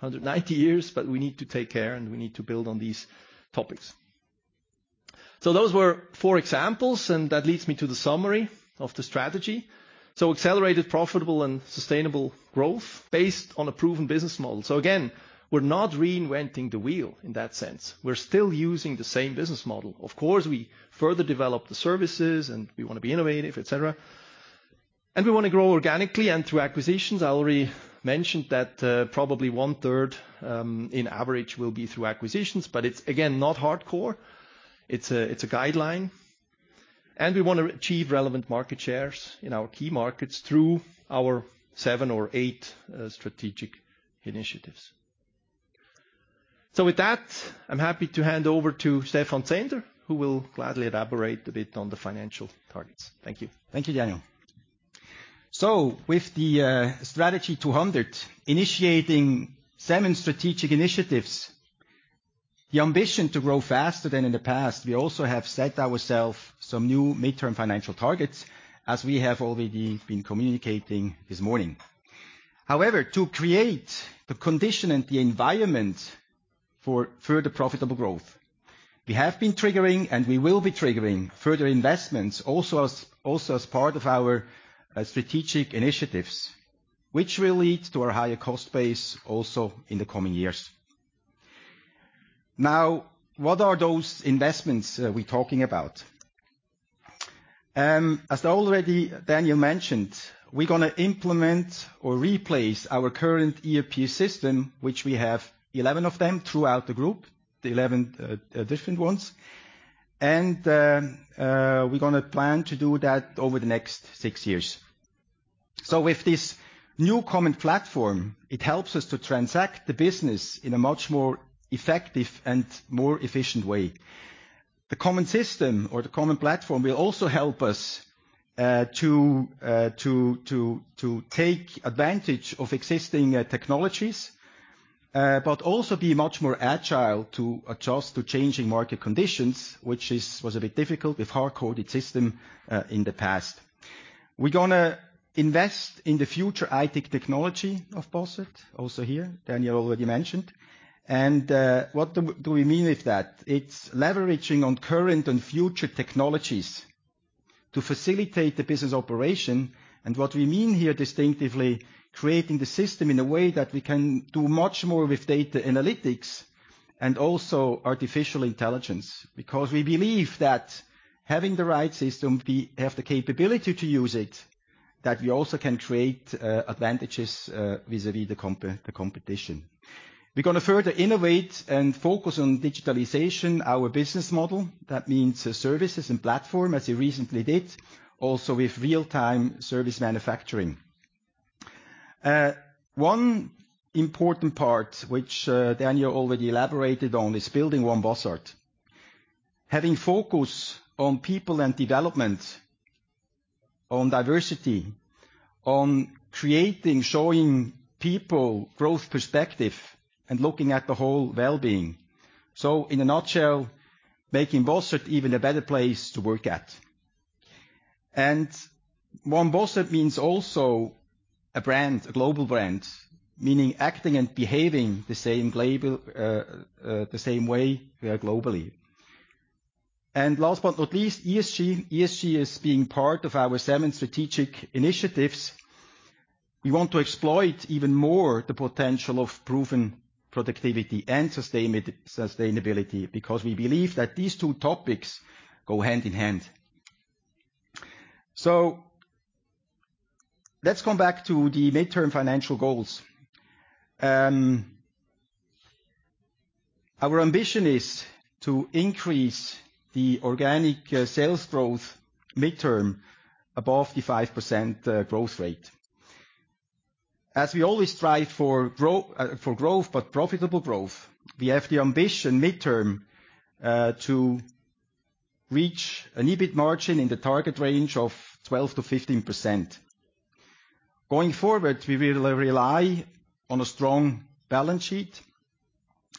190 years, but we need to take care and we need to build on these topics. Those were four examples, and that leads me to the summary of the strategy. Accelerated, profitable, and sustainable growth based on a proven business model. Again, we're not reinventing the wheel in that sense. We're still using the same business model. Of course, we further develop the services and we wanna be innovative, et cetera. We wanna grow organically and through acquisitions. I already mentioned that, probably one-third, in average will be through acquisitions, but it's, again, not hardcore. It's a guideline. We wanna achieve relevant market shares in our key markets through our seven or eight strategic initiatives. With that, I'm happy to hand over to Stephan Zehnder, who will gladly elaborate a bit on the financial targets. Thank you. Thank you, Daniel. With the Strategy 200 initiating seven strategic initiatives, the ambition to grow faster than in the past, we also have set ourselves some new midterm financial targets, as we have already been communicating this morning. However, to create the condition and the environment for further profitable growth, we have been triggering and we will be triggering further investments also as part of our strategic initiatives, which will lead to a higher cost base also in the coming years. Now, what are those investments we talking about? As already Daniel mentioned, we're gonna implement or replace our current ERP system, which we have 11 of them throughout the group, 11 different ones and we're gonna plan to do that over the next six years. With this new common platform, it helps us to transact the business in a much more effective and more efficient way. The common system or the common platform will also help us to take advantage of existing technologies, but also be much more agile to adjust to changing market conditions, which was a bit difficult with hard-coded system in the past. We're gonna invest in the future iTec technology of Bossard, also here, Daniel already mentioned. What do we mean with that? It's leveraging on current and future technologies to facilitate the business operation. What we mean here distinctively is creating the system in a way that we can do much more with data analytics and also artificial intelligence, because we believe that having the right system, we have the capability to use it, that we also can create advantages vis-à-vis the competition. We're gonna further innovate and focus on digitalization of our business model. That means services and platform, as we recently did, also with real-time service manufacturing. One important part, which Daniel already elaborated on, is building One Bossard. Having focus on people and development, on diversity, on creating, showing people growth perspective, and looking at the whole well-being. In a nutshell, making Bossard even a better place to work at. One Bossard means also a brand, a global brand, meaning acting and behaving the same way we are globally. Last but not least, ESG. ESG is being part of our seven strategic initiatives. We want to exploit even more the potential of Proven Productivity and sustainability, because we believe that these two topics go hand in hand. Let's come back to the midterm financial goals. Our ambition is to increase the organic sales growth midterm above the 5% growth rate. As we always strive for growth, but profitable growth, we have the ambition midterm to reach an EBIT margin in the target range of 12%-15%. Going forward, we will rely on a strong balance sheet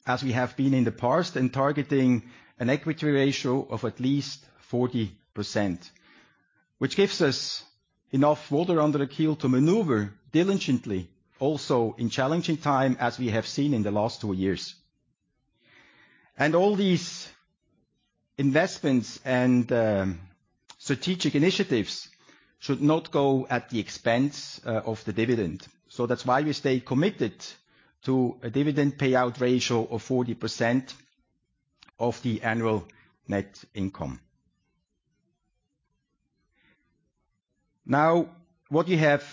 as we have been in the past and targeting an equity ratio of at least 40%, which gives us enough water under the keel to maneuver diligently, also in challenging time as we have seen in the last two years. All these investments and strategic initiatives should not go at the expense of the dividend. That's why we stay committed to a dividend payout ratio of 40% of the annual net income. Now, what you have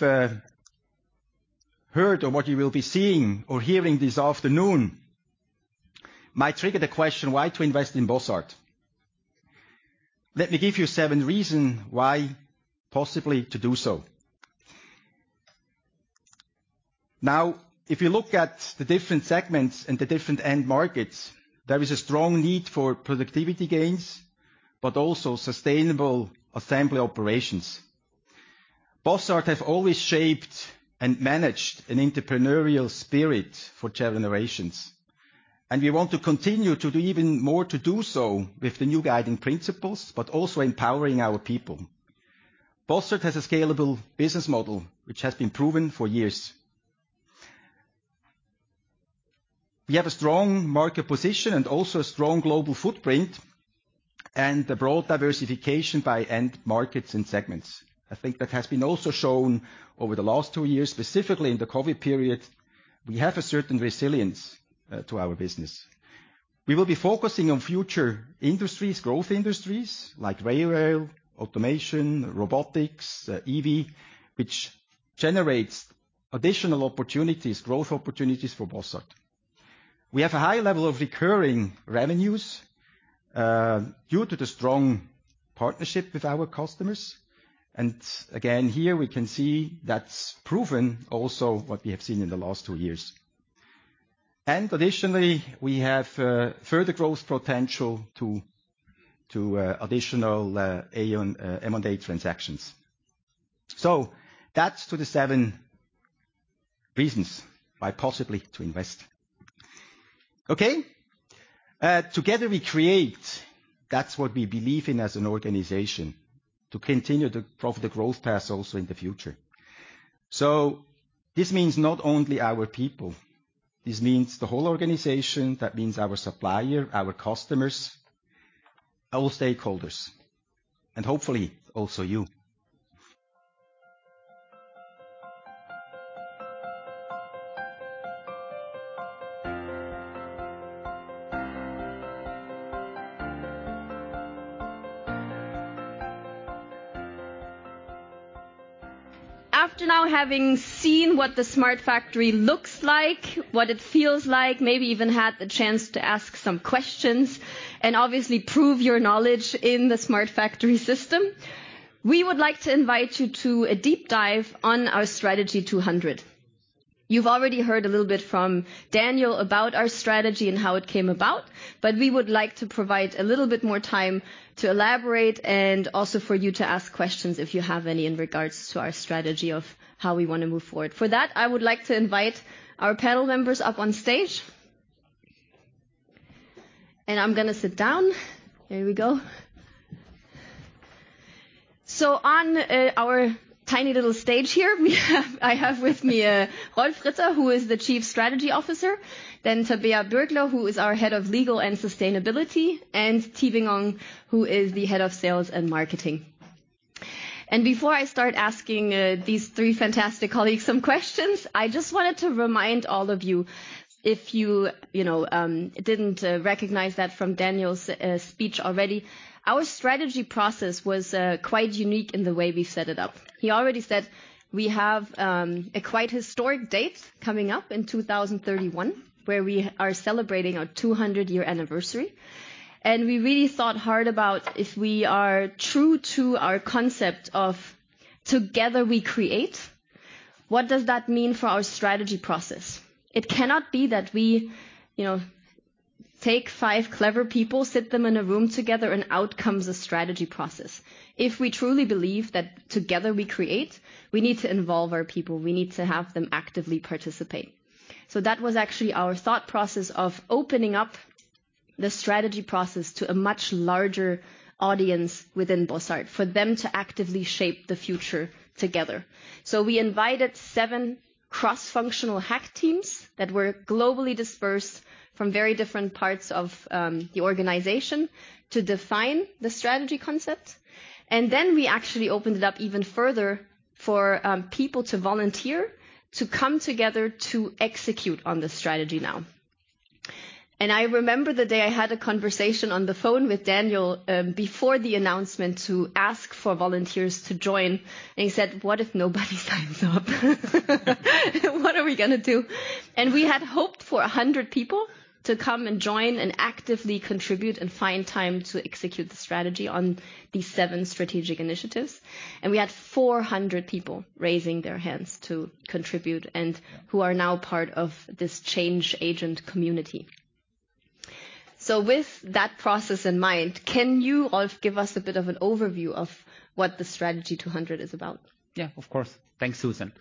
heard or what you will be seeing or hearing this afternoon might trigger the question, why to invest in Bossard? Let me give you seven reasons why possibly to do so. Now, if you look at the different segments and the different end markets, there is a strong need for productivity gains, but also sustainable assembly operations. Bossard have always shaped and managed an entrepreneurial spirit for generations, and we want to continue to do even more to do so with the new guiding principles, but also empowering our people. Bossard has a scalable business model which has been proven for years. We have a strong market position and also a strong global footprint and a broad diversification by end markets and segments. I think that has been also shown over the last two years, specifically in the COVID period. We have a certain resilience to our business. We will be focusing on future industries, growth industries like railway, automation, robotics, EV, which generates additional opportunities, growth opportunities for Bossard. We have a high level of recurring revenues due to the strong partnership with our customers. Again, here we can see that's proven also what we have seen in the last two years. Additionally we have further growth potential to additional M&A transactions. That's the seven reasons why possibly to invest. Okay? Together We Create, that's what we believe in as an organization to continue the growth path also in the future. This means not only our people, this means the whole organization. That means our supplier, our customers, our stakeholders, and hopefully also you. After now having seen what the Smart Factory looks like, what it feels like, maybe even had the chance to ask some questions, and obviously prove your knowledge in the Smart Factory system, we would like to invite you to a deep dive on our Strategy 200. You've already heard a little bit from Daniel about our strategy and how it came about, but we would like to provide a little bit more time to elaborate and also for you to ask questions if you have any in regards to our strategy of how we wanna move forward. For that, I would like to invite our panel members up on stage. I'm gonna sit down. Here we go. On our tiny little stage here, I have with me Rolf Ritter, who is the Chief Strategy Officer, then Tabea Bürgler, who is our Head of Legal and Sustainability, and Tee Bin Ong, who is the Head of Sales and Marketing. Before I start asking these three fantastic colleagues some questions, I just wanted to remind all of you, if you know, didn't recognize that from Daniel's speech already, our strategy process was quite unique in the way we set it up. He already said we have a quite historic date coming up in 2031, where we are celebrating our 200-year anniversary, and we really thought hard about if we are true to our concept of Together We Create, what does that mean for our strategy process? It cannot be that we, you know, take five clever people, sit them in a room together, and out comes a strategy process. If we truly believe that together we create, we need to involve our people, we need to have them actively participate. That was actually our thought process of opening up the strategy process to a much larger audience within Bossard, for them to actively shape the future together. We invited seven cross-functional hack teams that were globally dispersed from very different parts of the organization to define the strategy concept. Then we actually opened it up even further for people to volunteer to come together to execute on the strategy now. I remember the day I had a conversation on the phone with Daniel, before the announcement to ask for volunteers to join, and he said, "What if nobody signs up? What are we gonna do?" We had hoped for 100 people to come and join and actively contribute and find time to execute the strategy on these seven strategic initiatives. We had 400 people raising their hands to contribute and who are now part of this change agent community. With that process in mind, can you, Rolf, give us a bit of an overview of what the Strategy 200 is about? Yeah, of course. Thanks, Susan.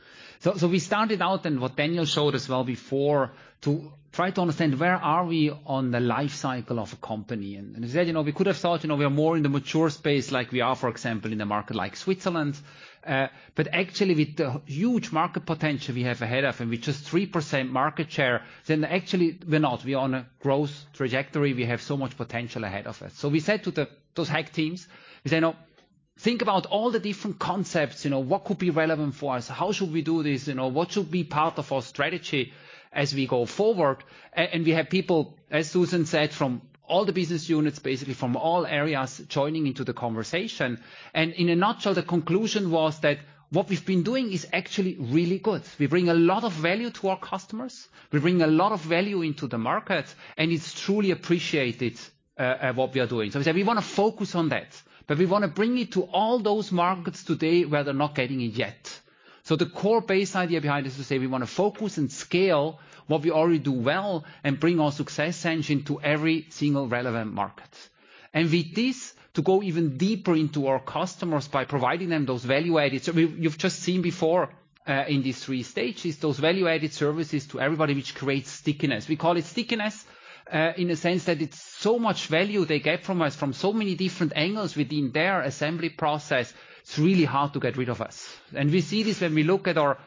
We started out, and what Daniel showed as well before, to try to understand where are we on the life cycle of a company. As I said, you know, we could have thought, you know, we are more in the mature space like we are, for example, in a market like Switzerland. But actually with the huge market potential we have ahead of and with just 3% market share, then actually we're not. We're on a growth trajectory. We have so much potential ahead of us. We said to those hack teams, we say, "Now think about all the different concepts, you know, what could be relevant for us. How should we do this? You know, what should be part of our strategy as we go forward? We have people, as Susan said, from all the business units, basically from all areas joining into the conversation. In a nutshell, the conclusion was that what we've been doing is actually really good. We bring a lot of value to our customers. We bring a lot of value into the market, and it's truly appreciated, what we are doing. We said we wanna focus on that, but we wanna bring it to all those markets today where they're not getting it yet. The core base idea behind this is to say we wanna focus and scale what we already do well and bring our success engine to every single relevant market. With this, to go even deeper into our customers by providing them those value-added services. We, you've just seen before, in these three stages, those value-added services to everybody which creates stickiness. We call it stickiness, in the sense that it's so much value they get from us from so many different angles within their assembly process, it's really hard to get rid of us. We see this when we look at our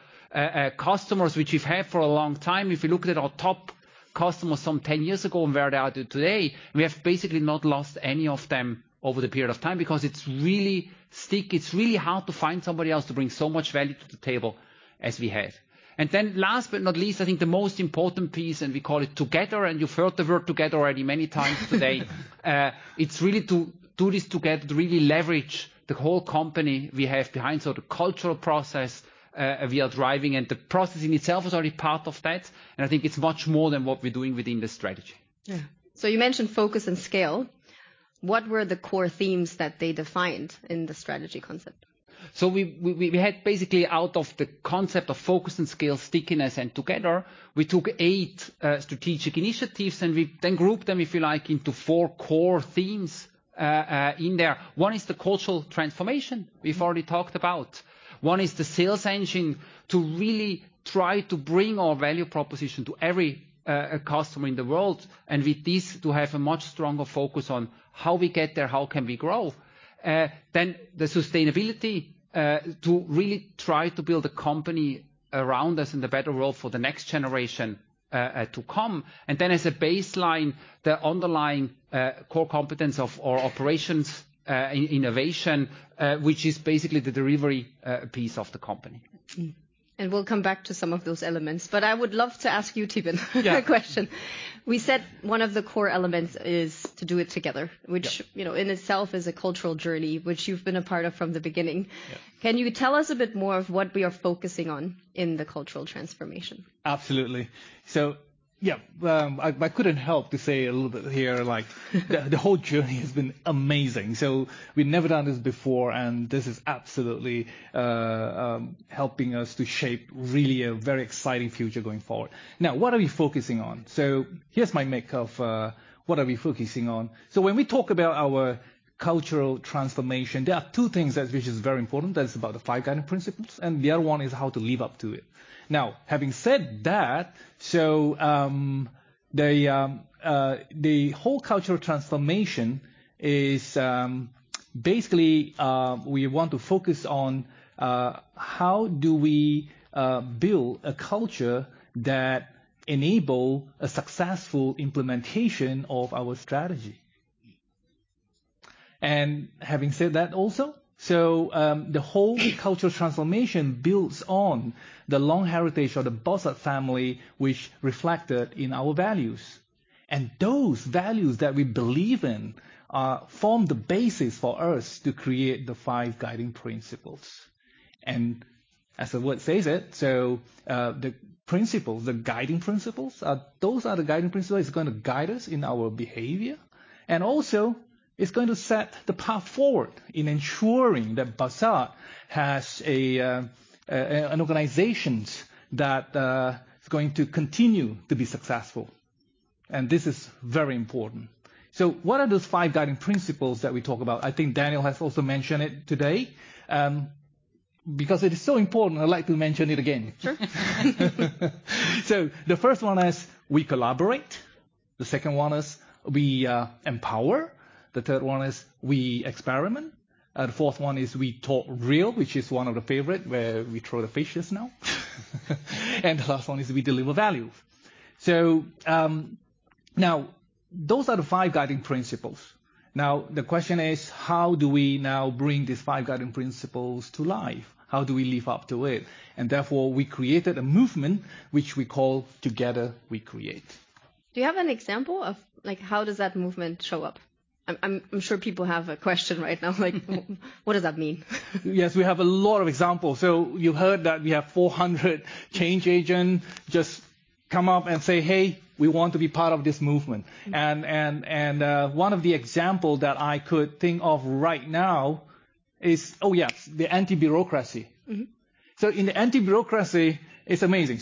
customers which we've had for a long time. If you look at our top customers from 10 years ago and where they are today, we have basically not lost any of them over the period of time because it's really sticky. It's really hard to find somebody else to bring so much value to the table as we have. Last but not least, I think the most important piece, and we call it together, and you've heard the word together already many times today. It's really to do this together to really leverage the whole company we have behind. The cultural process we are driving, and the processing itself is already part of that, and I think it's much more than what we're doing within the strategy. Yeah. You mentioned focus and scale. What were the core themes that they defined in the strategy concept? We had basically out of the concept of focus and scale, stickiness and together, we took eight strategic initiatives and we then grouped them if you like, into four core themes in there. One is the cultural transformation we've already talked about. One is the sales engine to really try to bring our value proposition to every customer in the world, and with this, to have a much stronger focus on how we get there, how can we grow. The sustainability to really try to build a company around us in the better world for the next generation to come. As a baseline, the underlying core competence of our operations in innovation, which is basically the delivery piece of the company. We'll come back to some of those elements, but I would love to ask you, Tee Bin a question. Yeah. We said one of the core elements is to do it together. Which, you know, in itself is a cultural journey which you've been a part of from the beginning. Can you tell us a bit more of what we are focusing on in the cultural transformation? Absolutely. Yeah, I couldn't help to say a little bit here. The whole journey has been amazing. We've never done this before, and this is absolutely helping us to shape really a very exciting future going forward. Now, what are we focusing on? Here's my take on what we are focusing on. When we talk about our cultural transformation, there are two things which are very important. That's about the five guiding principles, and the other one is how to live up to it. Now, having said that, the whole cultural transformation is basically we want to focus on how do we build a culture that enable a successful implementation of our strategy. Having said that also, the whole cultural transformation builds on the long heritage of the Bossard family which reflected in our values. Those values that we believe in form the basis for us to create the five guiding principles. As the word says it, the guiding principles are going to guide us in our behavior and also it's going to set the path forward in ensuring that Bossard has an organization that is going to continue to be successful. This is very important. What are those five guiding principles that we talk about? I think Daniel has also mentioned it today. Because it is so important, I'd like to mention it again. Sure. The first one is we collaborate. The second one is we empower. The third one is we experiment. Fourth one is we talk real, which is one of the favorite where we throw the fishes now. The last one is we deliver value. Now those are the five guiding principles. Now the question is how do we now bring these five guiding principles to life? How do we live up to it? Therefore we created a movement which we call Together We Create. Do you have an example of, like, how does that movement show up? I'm sure people have a question right now, like, what does that mean? Yes, we have a lot of examples. You heard that we have 400 change agent just come up and say, "Hey, we want to be part of this movement. One of the examples that I could think of right now is the anti-bureaucracy. In the anti-bureaucracy, it's amazing.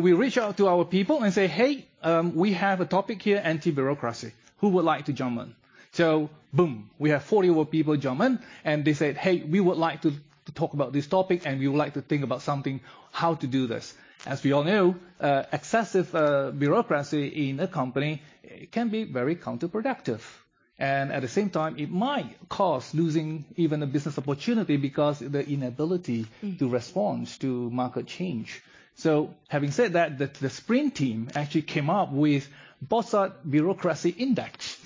We reach out to our people and say, "Hey, we have a topic here, anti-bureaucracy. Who would like to jump in?" Boom, we have 40 more people jump in and they said, "Hey, we would like to talk about this topic and we would like to think about something how to do this." As we all know, excessive bureaucracy in a company can be very counterproductive. At the same time it might cause losing even a business opportunity because the inability to respond to market change. Having said that, the spring team actually came up with Bossard bureaucracy index.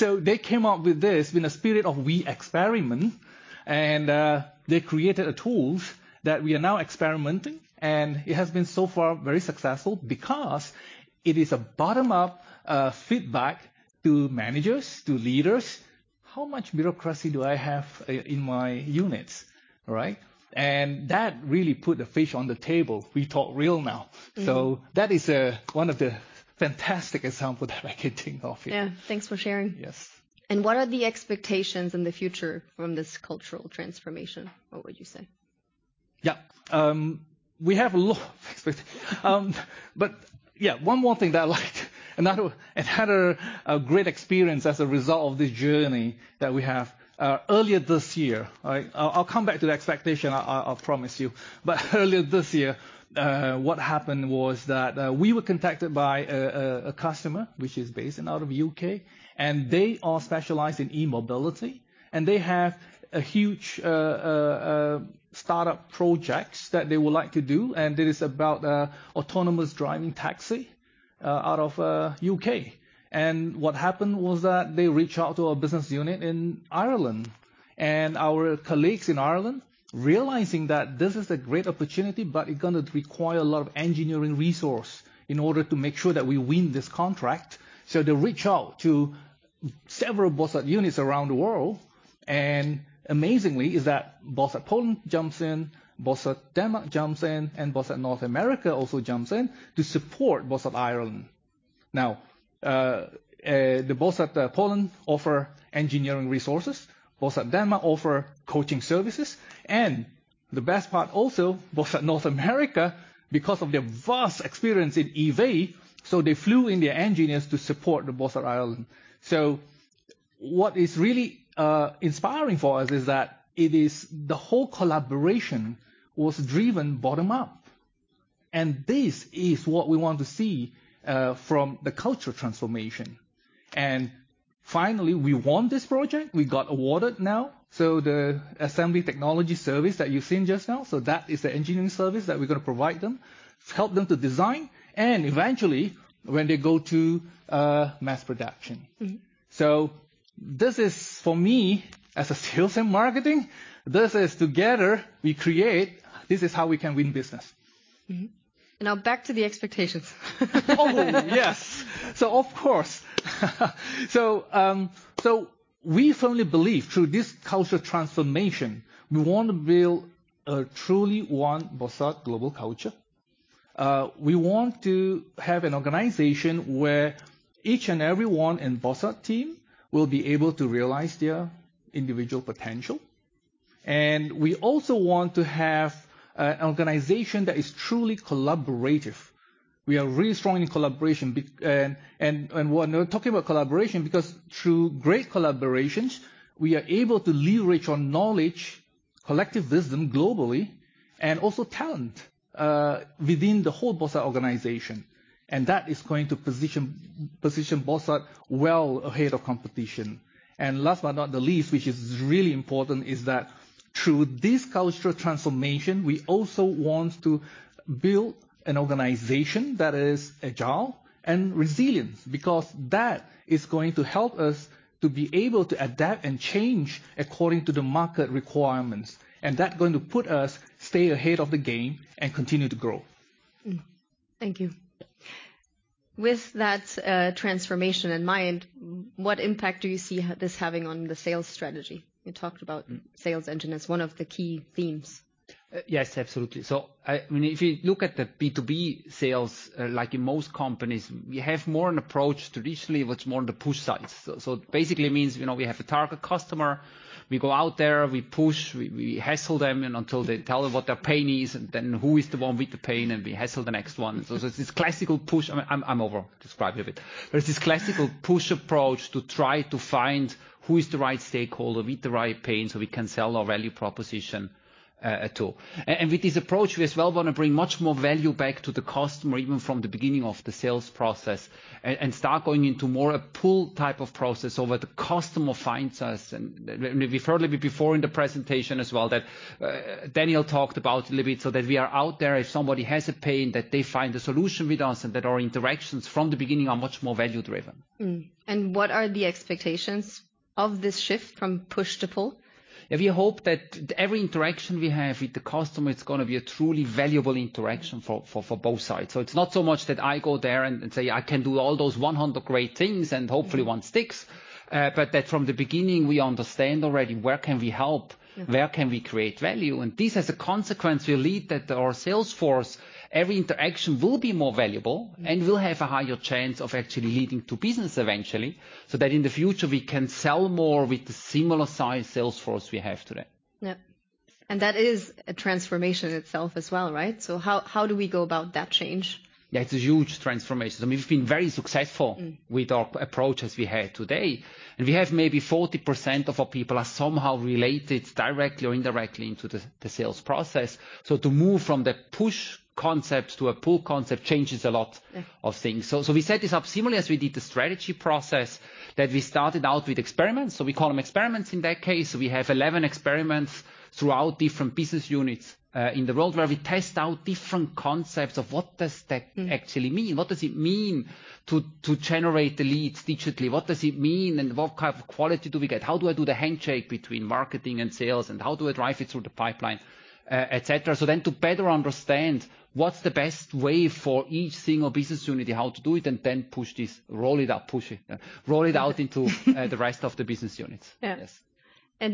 They came up with this in a spirit of we experiment and they created a tool that we are now experimenting, and it has been so far very successful because it is a bottom-up feedback to managers, to leaders. How much bureaucracy do I have in my units? Right? That really put the fish on the table. We talk real now. That is one of the fantastic example that I can think of here. Yeah. Thanks for sharing. Yes. What are the expectations in the future from this cultural transformation? What would you say? Yeah. We have a lot of expectations. One more thing that I liked, and that we had a great experience as a result of this journey that we have. Earlier this year, I'll come back to the expectation. I promise you. Earlier this year, what happened was that we were contacted by a customer which is based out of U.K., and they are specialized in e-mobility. They have a huge startup projects that they would like to do, and it is about autonomous driving taxi out of U.K. What happened was that they reached out to our business unit in Ireland, and our colleagues in Ireland, realizing that this is a great opportunity, but it's gonna require a lot of engineering resource in order to make sure that we win this contract. They reach out to several Bossard units around the world, and amazingly is that Bossard Poland jumps in, Bossard Denmark jumps in, and Bossard North America also jumps in to support Bossard Ireland. Bossard Poland offer engineering resources, Bossard Denmark offer coaching services. The best part also, Bossard North America, because of their vast experience in EV, so they flew in their engineers to support Bossard Ireland. What is really inspiring for us is that it is the whole collaboration was driven bottom up. This is what we want to see from the culture transformation. Finally, we won this project. We got awarded now. The assembly technology service that you've seen just now, so that is the engineering service that we're gonna provide them to help them to design and eventually when they go to mass production. This is, for me, as a sales and marketing, this is Together We Create, this is how we can win business. Now back to the expectations. We firmly believe through this culture transformation, we want to build a truly One Bossard global culture. We want to have an organization where each and everyone in Bossard team will be able to realize their individual potential. We also want to have an organization that is truly collaborative. We are really strong in collaboration and when we're talking about collaboration because through great collaborations, we are able to leverage on knowledge, collective wisdom globally and also talent within the whole Bossard organization. That is going to position Bossard well ahead of competition. Last but not the least, which is really important, is that through this cultural transformation, we also want to build an organization that is agile and resilient, because that is going to help us to be able to adapt and change according to the market requirements. That's going to put us to stay ahead of the game and continue to grow. Thank you. With that, transformation in mind, what impact do you see this having on the sales strategy? You talked about sales engine as one of the key themes. Yes, absolutely. I mean, if you look at the B2B sales, like in most companies, we have more an approach traditionally what's more on the push side. Basically it means, you know, we have a target customer, we go out there, we push, we hassle them and until they tell what their pain is and then who is the one with the pain and we hassle the next one. It's this classical push. I'm over describing a bit. There's this classical push approach to try to find who is the right stakeholder with the right pain so we can sell our value proposition at all. With this approach, we as well wanna bring much more value back to the customer even from the beginning of the sales process and start going into more a pull type of process over the customer finds us. We heard a little bit before in the presentation as well that Daniel talked about a little bit, so that we are out there. If somebody has a pain, that they find a solution with us and that our interactions from the beginning are much more value driven. What are the expectations of this shift from push to pull? We hope that every interaction we have with the customer is gonna be a truly valuable interaction for both sides. It's not so much that I go there and say I can do all those 100 great things and hopefully one sticks, but that from the beginning we understand already where can we help, where can we create value. This as a consequence will lead that our sales force, every interaction will be more valuable. Will have a higher chance of actually leading to business eventually, so that in the future we can sell more with the similar size sales force we have today. Yeah. That is a transformation in itself as well, right? How do we go about that change? Yeah, it's a huge transformation. I mean, we've been very successfull with our approaches we have today. We have maybe 40% of our people are somehow related directly or indirectly into the sales process. To move from the push concept to a pull concept changes a lot of things. We set this up similarly as we did the strategy process that we started out with experiments. We call them experiments in that case. We have 11 experiments throughout different business units in the world where we test out different concepts of what does that actually mean. What does it mean to generate the leads digitally? What does it mean and what kind of quality do we get? How do I do the handshake between marketing and sales, and how do I drive it through the pipeline, et cetera? Then to better understand what's the best way for each single business unit and how to do it and then push this, roll it out, push it. Roll it out into the rest of the business units.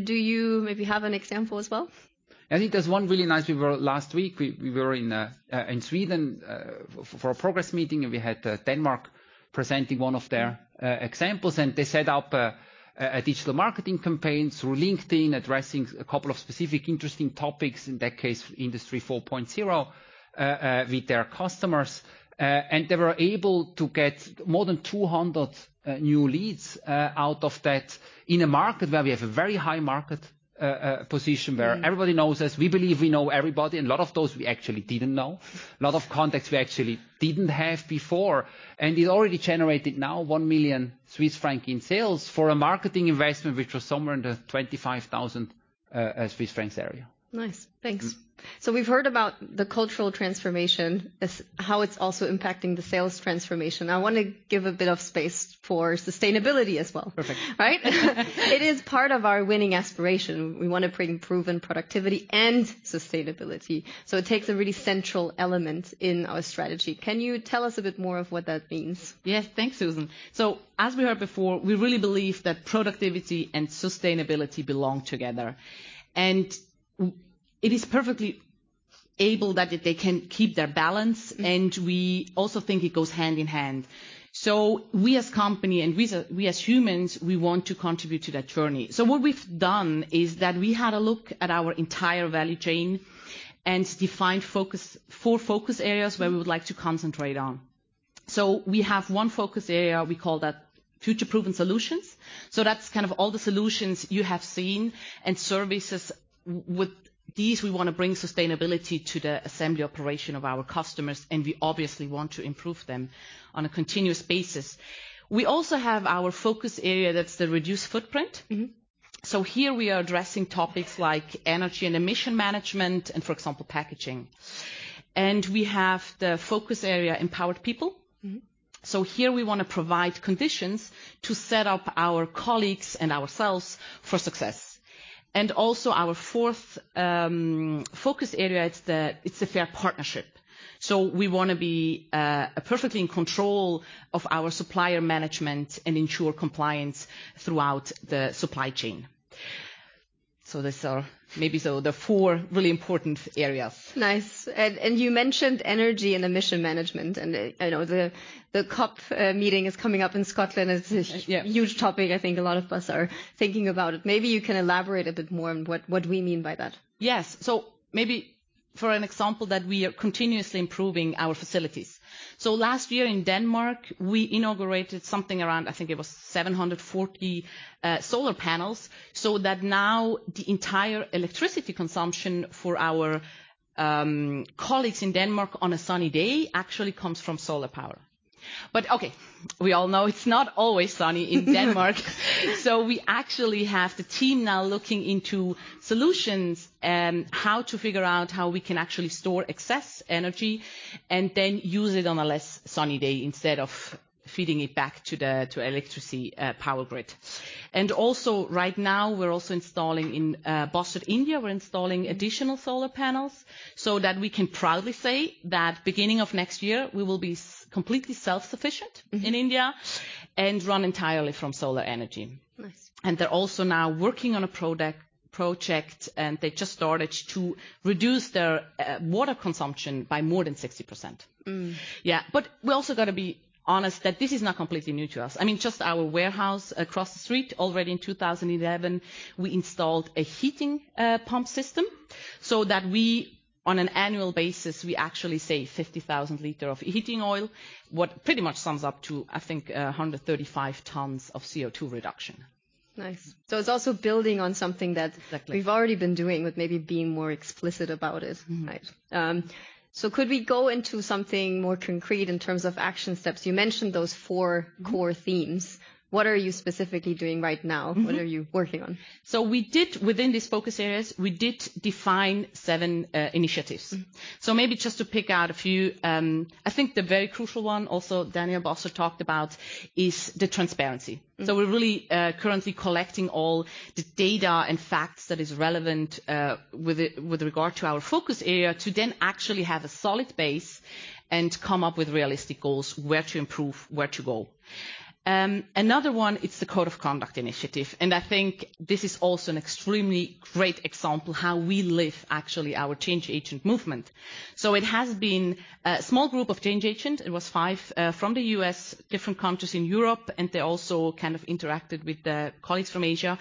Do you maybe have an example as well? I think there's one really nice. Last week, we were in Sweden for a progress meeting, and we had Denmark presenting one of their examples, and they set up a digital marketing campaign through LinkedIn addressing a couple of specific interesting topics, in that case, Industry 4.0, with their customers. They were able to get more than 200 new leads out of that in a market where we have a very high market position where everybody knows us. We believe we know everybody, and a lot of those we actually didn't know. A lot of contacts we actually didn't have before. It already generated now 1 million Swiss franc in sales for a marketing investment which was somewhere in the 25,000 Swiss francs area. Nice. Thanks. We've heard about the cultural transformation, as how it's also impacting the sales transformation. I wanna give a bit of space for sustainability as well. Perfect. Right? It is part of our winning aspiration. We wanna bring Proven Productivity and sustainability. It takes a really central element in our strategy. Can you tell us a bit more of what that means? Yes. Thanks, Susan. As we heard before, we really believe that productivity and sustainability belong together, and it is perfectly able that they can keep their balance and we also think it goes hand in hand. We as company and we as humans want to contribute to that journey. What we've done is that we had a look at our entire value chain and defined four focus areas where we would like to concentrate on. We have one focus area, we call that future-proven solutions. That's kind of all the solutions you have seen and services. With these, we wanna bring sustainability to the assembly operation of our customers, and we obviously want to improve them on a continuous basis. We also have our focus area, that's the reduced footprint. Here we are addressing topics like energy and emission management and, for example, packaging. We have the focus area, empowered people. Here we wanna provide conditions to set up our colleagues and ourselves for success. Also our fourth focus area is the fair partnership. We wanna be perfectly in control of our supplier management and ensure compliance throughout the supply chain. These are maybe the four really important areas. Nice. You mentioned energy and emission management, and I know the COP meeting is coming up in Scotland. It's a huge topic. I think a lot of us are thinking about it. Maybe you can elaborate a bit more on what we mean by that. Yes. Maybe for an example that we are continuously improving our facilities. Last year in Denmark, we inaugurated something around, I think it was 740 solar panels, so that now the entire electricity consumption for our colleagues in Denmark on a sunny day actually comes from solar power. But okay, we all know it's not always sunny in Denmark. We actually have the team now looking into solutions and how to figure out how we can actually store excess energy and then use it on a less sunny day instead of feeding it back to the electricity power grid. Right now, we're also installing in Bossard India additional solar panels so that we can proudly say that beginning of next year we will be completely self-sufficient in India and run entirely from solar energy. Nice. They're also now working on a project, and they just started to reduce their water consumption by more than 60%. Yeah. We also gotta be honest that this is not completely new to us. I mean, just our warehouse across the street, already in 2011, we installed a heating pump system so that we, on an annual basis, we actually save 50,000 liters of heating oil, which pretty much sums up to, I think, 135 tons of CO2 reduction. Nice. It's also building on something that we've already been doing but maybe being more explicit about it. Exactly. Right. Could we go into something more concrete in terms of action steps? You mentioned those four core themes. What are you specifically doing right now? What are you working on? We did, within these focus areas, define seven initiatives. Maybe just to pick out a few, I think the very crucial one also Daniel Bossard talked about is the transparency. We're really currently collecting all the data and facts that is relevant with it, with regard to our focus area to then actually have a solid base and come up with realistic goals, where to improve, where to go. Another one, it's the code of conduct initiative, and I think this is also an extremely great example how we live actually our change agent movement. It has been a small group of change agent. It was five from the U.S., different countries in Europe, and they also kind of interacted with the colleagues from Asia,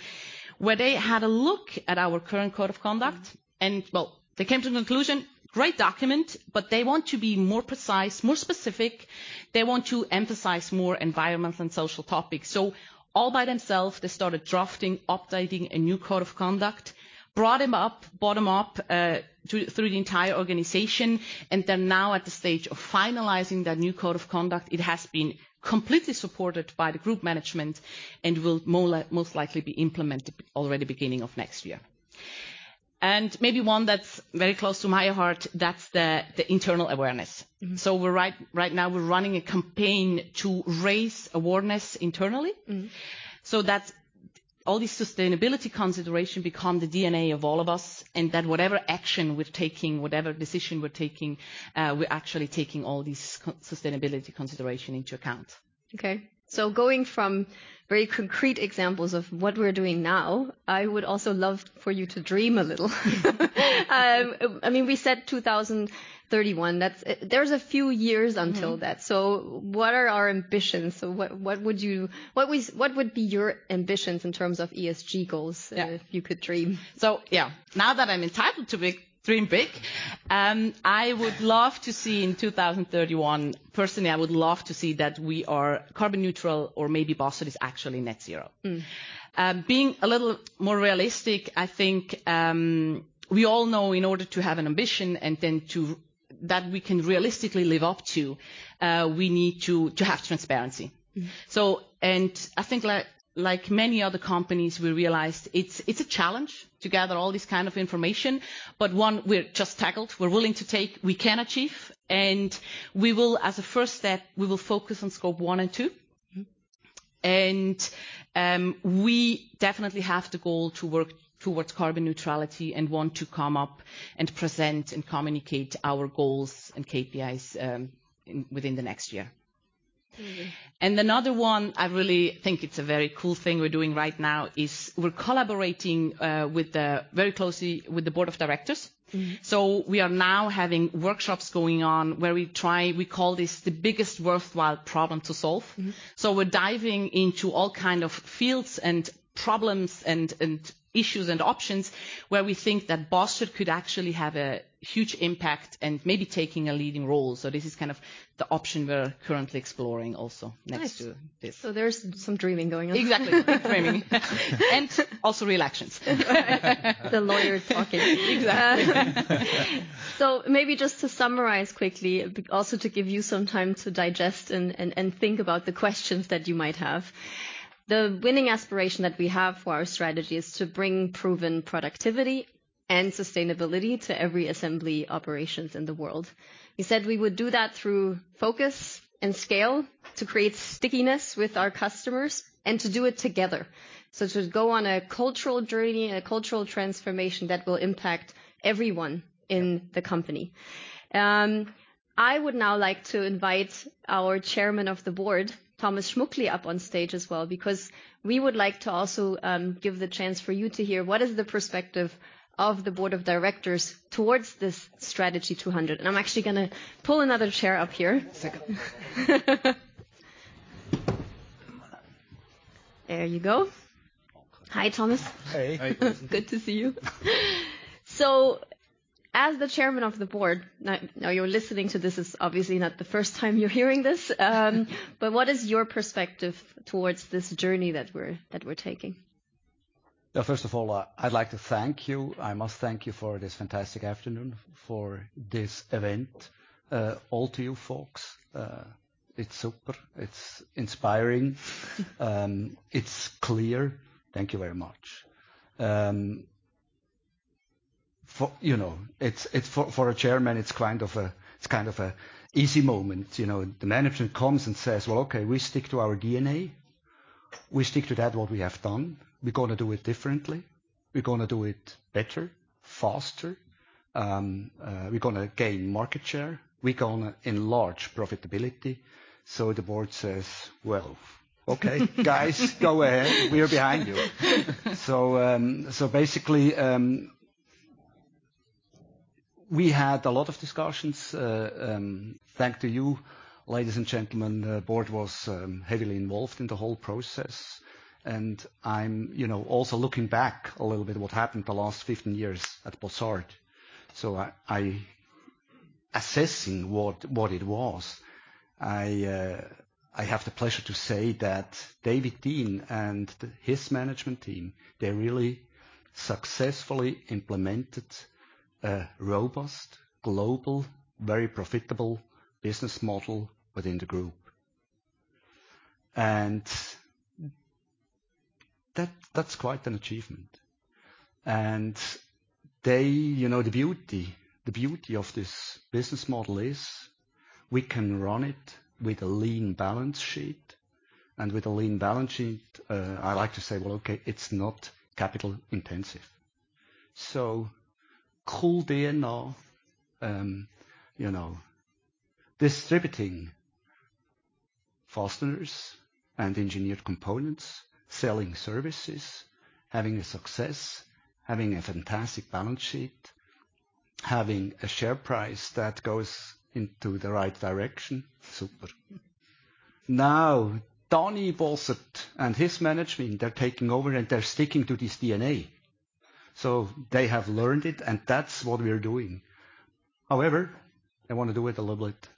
where they had a look at our current code of conduct and, well, they came to the conclusion, great document, but they want to be more precise, more specific. They want to emphasize more environment and social topics. All by themselves, they started drafting, updating a new code of conduct, brought them up, bottom up, through the entire organization, and they're now at the stage of finalizing the new code of conduct. It has been completely supported by the Group management and will most likely be implemented already beginning of next year. Maybe one that's very close to my heart, that's the internal awareness. Right now we're running a campaign to raise awareness internally so that all these sustainability consideration become the DNA of all of us, and that whatever action we're taking, whatever decision we're taking, we're actually taking all these sustainability consideration into account. Okay. Going from very concrete examples of what we're doing now, I would also love for you to dream a little. I mean, we said 2031. That's a few years until that are our ambitions? What would be your ambitions in terms of ESG goals if you could dream? Now that I'm entitled to dream big, I would love to see in 2031, personally, I would love to see that we are carbon neutral or maybe Bossard is actually net zero. Being a little more realistic, I think, we all know in order to have an ambition and then to that we can realistically live up to, we need to have transparency. I think like many other companies, we realized it's a challenge to gather all this kind of information, but one we just tackled, we're willing to take, we can achieve, and we will. As a first step, we will focus on scope one and two. We definitely have the goal to work towards carbon neutrality and want to come up and present and communicate our goals and KPIs within the next year. Another one I really think it's a very cool thing we're doing right now is we're collaborating very closely with the board of directors. We are now having workshops going on. We call this the biggest worthwhile problem to solve. We're diving into all kind of fields and problems and issues and options where we think that Bossard could actually have a huge impact and maybe taking a leading role. This is kind of the option we're currently exploring also next to this. Nice. There's some dreaming going on. Exactly. Dreaming. Also real actions. The lawyer talking. Exactly. Maybe just to summarize quickly, but also to give you some time to digest and think about the questions that you might have. The winning aspiration that we have for our strategy is to bring Proven Productivity and sustainability to every assembly operation in the world. We said we would do that through focus and scale to create stickiness with our customers and to do it together. To go on a cultural journey and a cultural transformation that will impact everyone in the company. I would now like to invite our Chairman of the Board, Thomas Schmuckli, up on stage as well, because we would like to also give the chance for you to hear what is the perspective of the Board of Directors towards this Strategy 200. I'm actually gonna pull another chair up here. There you go. Hi, Thomas. Hey. Hi, Thomas. Good to see you. As the Chairman of the Board, now you're listening to this, it's obviously not the first time you're hearing this, but what is your perspective towards this journey that we're taking? First of all, I'd like to thank you. I must thank you for this fantastic afternoon, for this event, all to you folks. It's super, it's inspiring, it's clear. Thank you very much. For a chairman, it's kind of an easy moment, you know. The management comes and says, "Well, okay, we stick to our DNA. We stick to that what we have done. We're gonna do it differently. We're gonna do it better, faster. We're gonna gain market share. We're gonna enlarge profitability." The board says, "Well, okay. Guys, go ahead. We are behind you." Basically, we had a lot of discussions, thanks to you, ladies and gentlemen. The board was heavily involved in the whole process, and I'm, you know, also looking back a little bit what happened the last 15 years at Bossard. I assessing what it was, I have the pleasure to say that David Dean and his management team, they really successfully implemented a robust, global, very profitable business model within the group. That's quite an achievement. You know, the beauty of this business model is we can run it with a lean balance sheet, and with a lean balance sheet, I like to say, "Well, okay, it's not capital intensive." Cool DNA, you know, distributing fasteners and engineered components, selling services, having a success, having a fantastic balance sheet, having a share price that goes into the right direction. Super. Now, Daniel Bossard and his management, they're taking over, and they're sticking to this DNA. They have learned it, and that's what we're doing. However, they wanna do it a little bit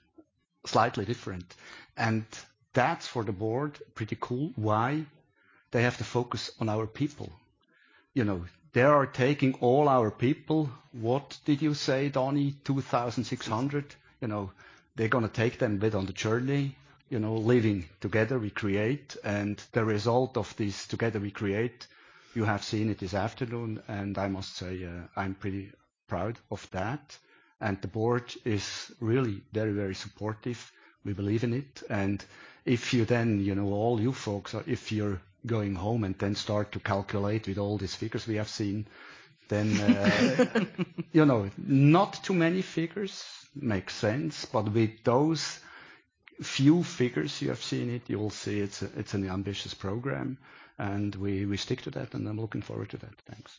slightly different, and that's, for the board, pretty cool. Why? They have to focus on our people. You know, they are taking all our people. What did you say, Donnie? 2,600. You know, they're gonna take them with us on the journey. You know, living Together We Create, and the result of this Together We Create, you have seen it this afternoon, and I must say, I'm pretty proud of that. The board is really very, very supportive. We believe in it. If you then, you know, if you're going home and then start to calculate with all these figures we have seen, then you know, not too many figures make sense, but with those few figures you have seen, you will see it's an ambitious program, and we stick to that, and I'm looking forward to that. Thanks.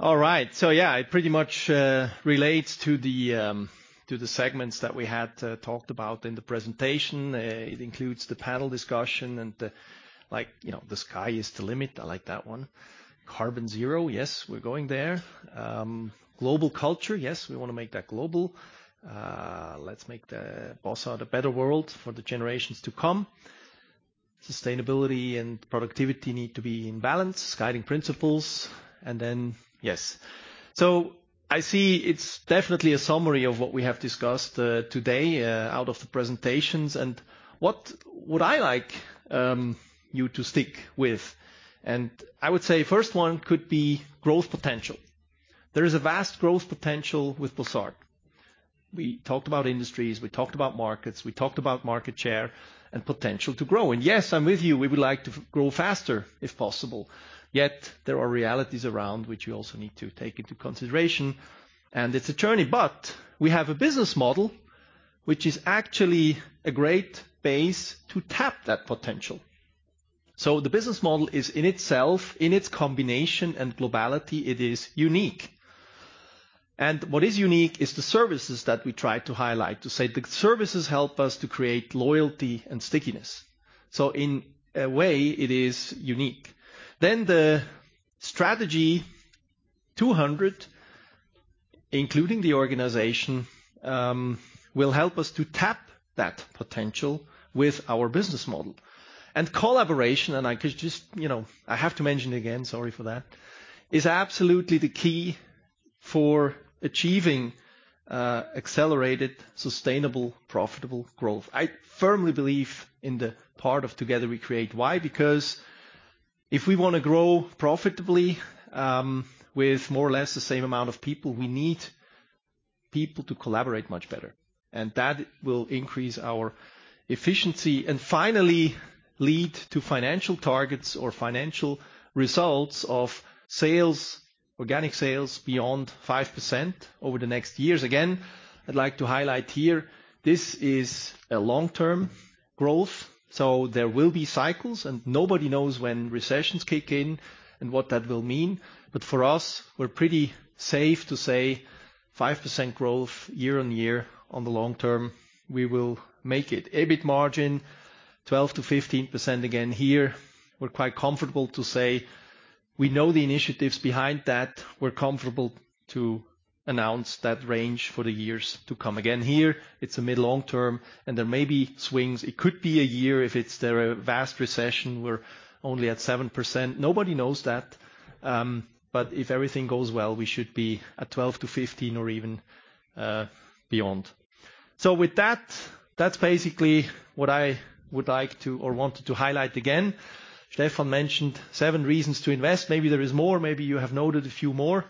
All right. Yeah, it pretty much relates to the segments that we had talked about in the presentation. It includes the panel discussion and the, like, you know, the sky is the limit. I like that one. Carbon zero, yes, we're going there. Global culture, yes, we wanna make that global. Let's make the Bossard a better world for the generations to come. Sustainability and productivity need to be in balance, guiding principles. Yes. I see it's definitely a summary of what we have discussed today out of the presentations and what would I like you to stick with. I would say first one could be growth potential. There is a vast growth potential with Bossard. We talked about industries, we talked about markets, we talked about market share and potential to grow. Yes, I'm with you. We would like to grow faster, if possible. Yet there are realities around which we also need to take into consideration, and it's a journey. We have a business model which is actually a great base to tap that potential. The business model is in itself, in its combination and globality, it is unique. What is unique is the services that we try to highlight, to say the services help us to create loyalty and stickiness. In a way, it is unique. The Strategy 200, including the organization, will help us to tap that potential with our business model. Collaboration, you know, I have to mention again, sorry for that, is absolutely the key for achieving accelerated, sustainable, profitable growth. I firmly believe in the part of Together We Create. Why? Because if we wanna grow profitably, with more or less the same amount of people, we need people to collaborate much better, and that will increase our efficiency and finally lead to financial targets or financial results of sales, organic sales beyond 5% over the next years. Again, I'd like to highlight here, this is a long-term growth, so there will be cycles, and nobody knows when recessions kick in and what that will mean. For us, we're pretty safe to say 5% growth year-on-year on the long term, we will make it. EBIT margin, 12%-15% again here. We're quite comfortable to say we know the initiatives behind that. We're comfortable to announce that range for the years to come. Again here, it's a mid-long term and there may be swings. It could be a year if there's a vast recession, we're only at 7%. Nobody knows that. But if everything goes well, we should be at 12%-15% or even beyond. With that's basically what I would like to highlight again. Stephan mentioned 7 reasons to invest. Maybe there is more. Maybe you have noted a few more.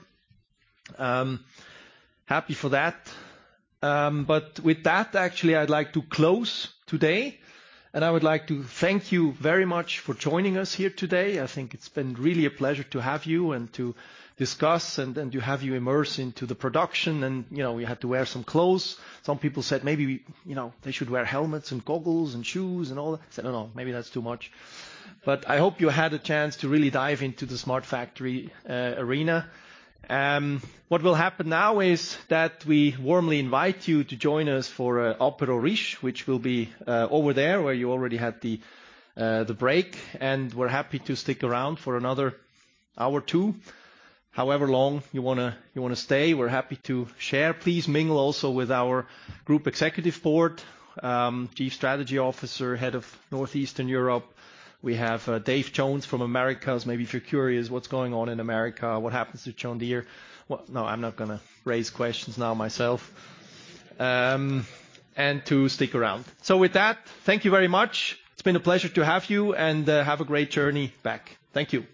Happy for that. But with that, actually, I'd like to close today, and I would like to thank you very much for joining us here today. I think it's been really a pleasure to have you and to discuss and to have you immersed into the production and, you know, we had to wear some clothes. Some people said maybe, you know, they should wear helmets and goggles and shoes and all. I said, "No, no. Maybe that's too much." But I hope you had a chance to really dive into the Smart Factory arena. What will happen now is that we warmly invite you to join us for an apéro riche, which will be over there where you already had the break. We're happy to stick around for another hour or two. However long you wanna stay, we're happy to share. Please mingle also with our Group Executive Board, Chief Strategy Officer, Head of Northern and Eastern Europe. We have Dave Jones from Americas. Maybe if you're curious what's going on in America, what happens to John Deere. Well, no, I'm not gonna raise questions now myself. To stick around. With that, thank you very much. It's been a pleasure to have you, and have a great journey back. Thank you.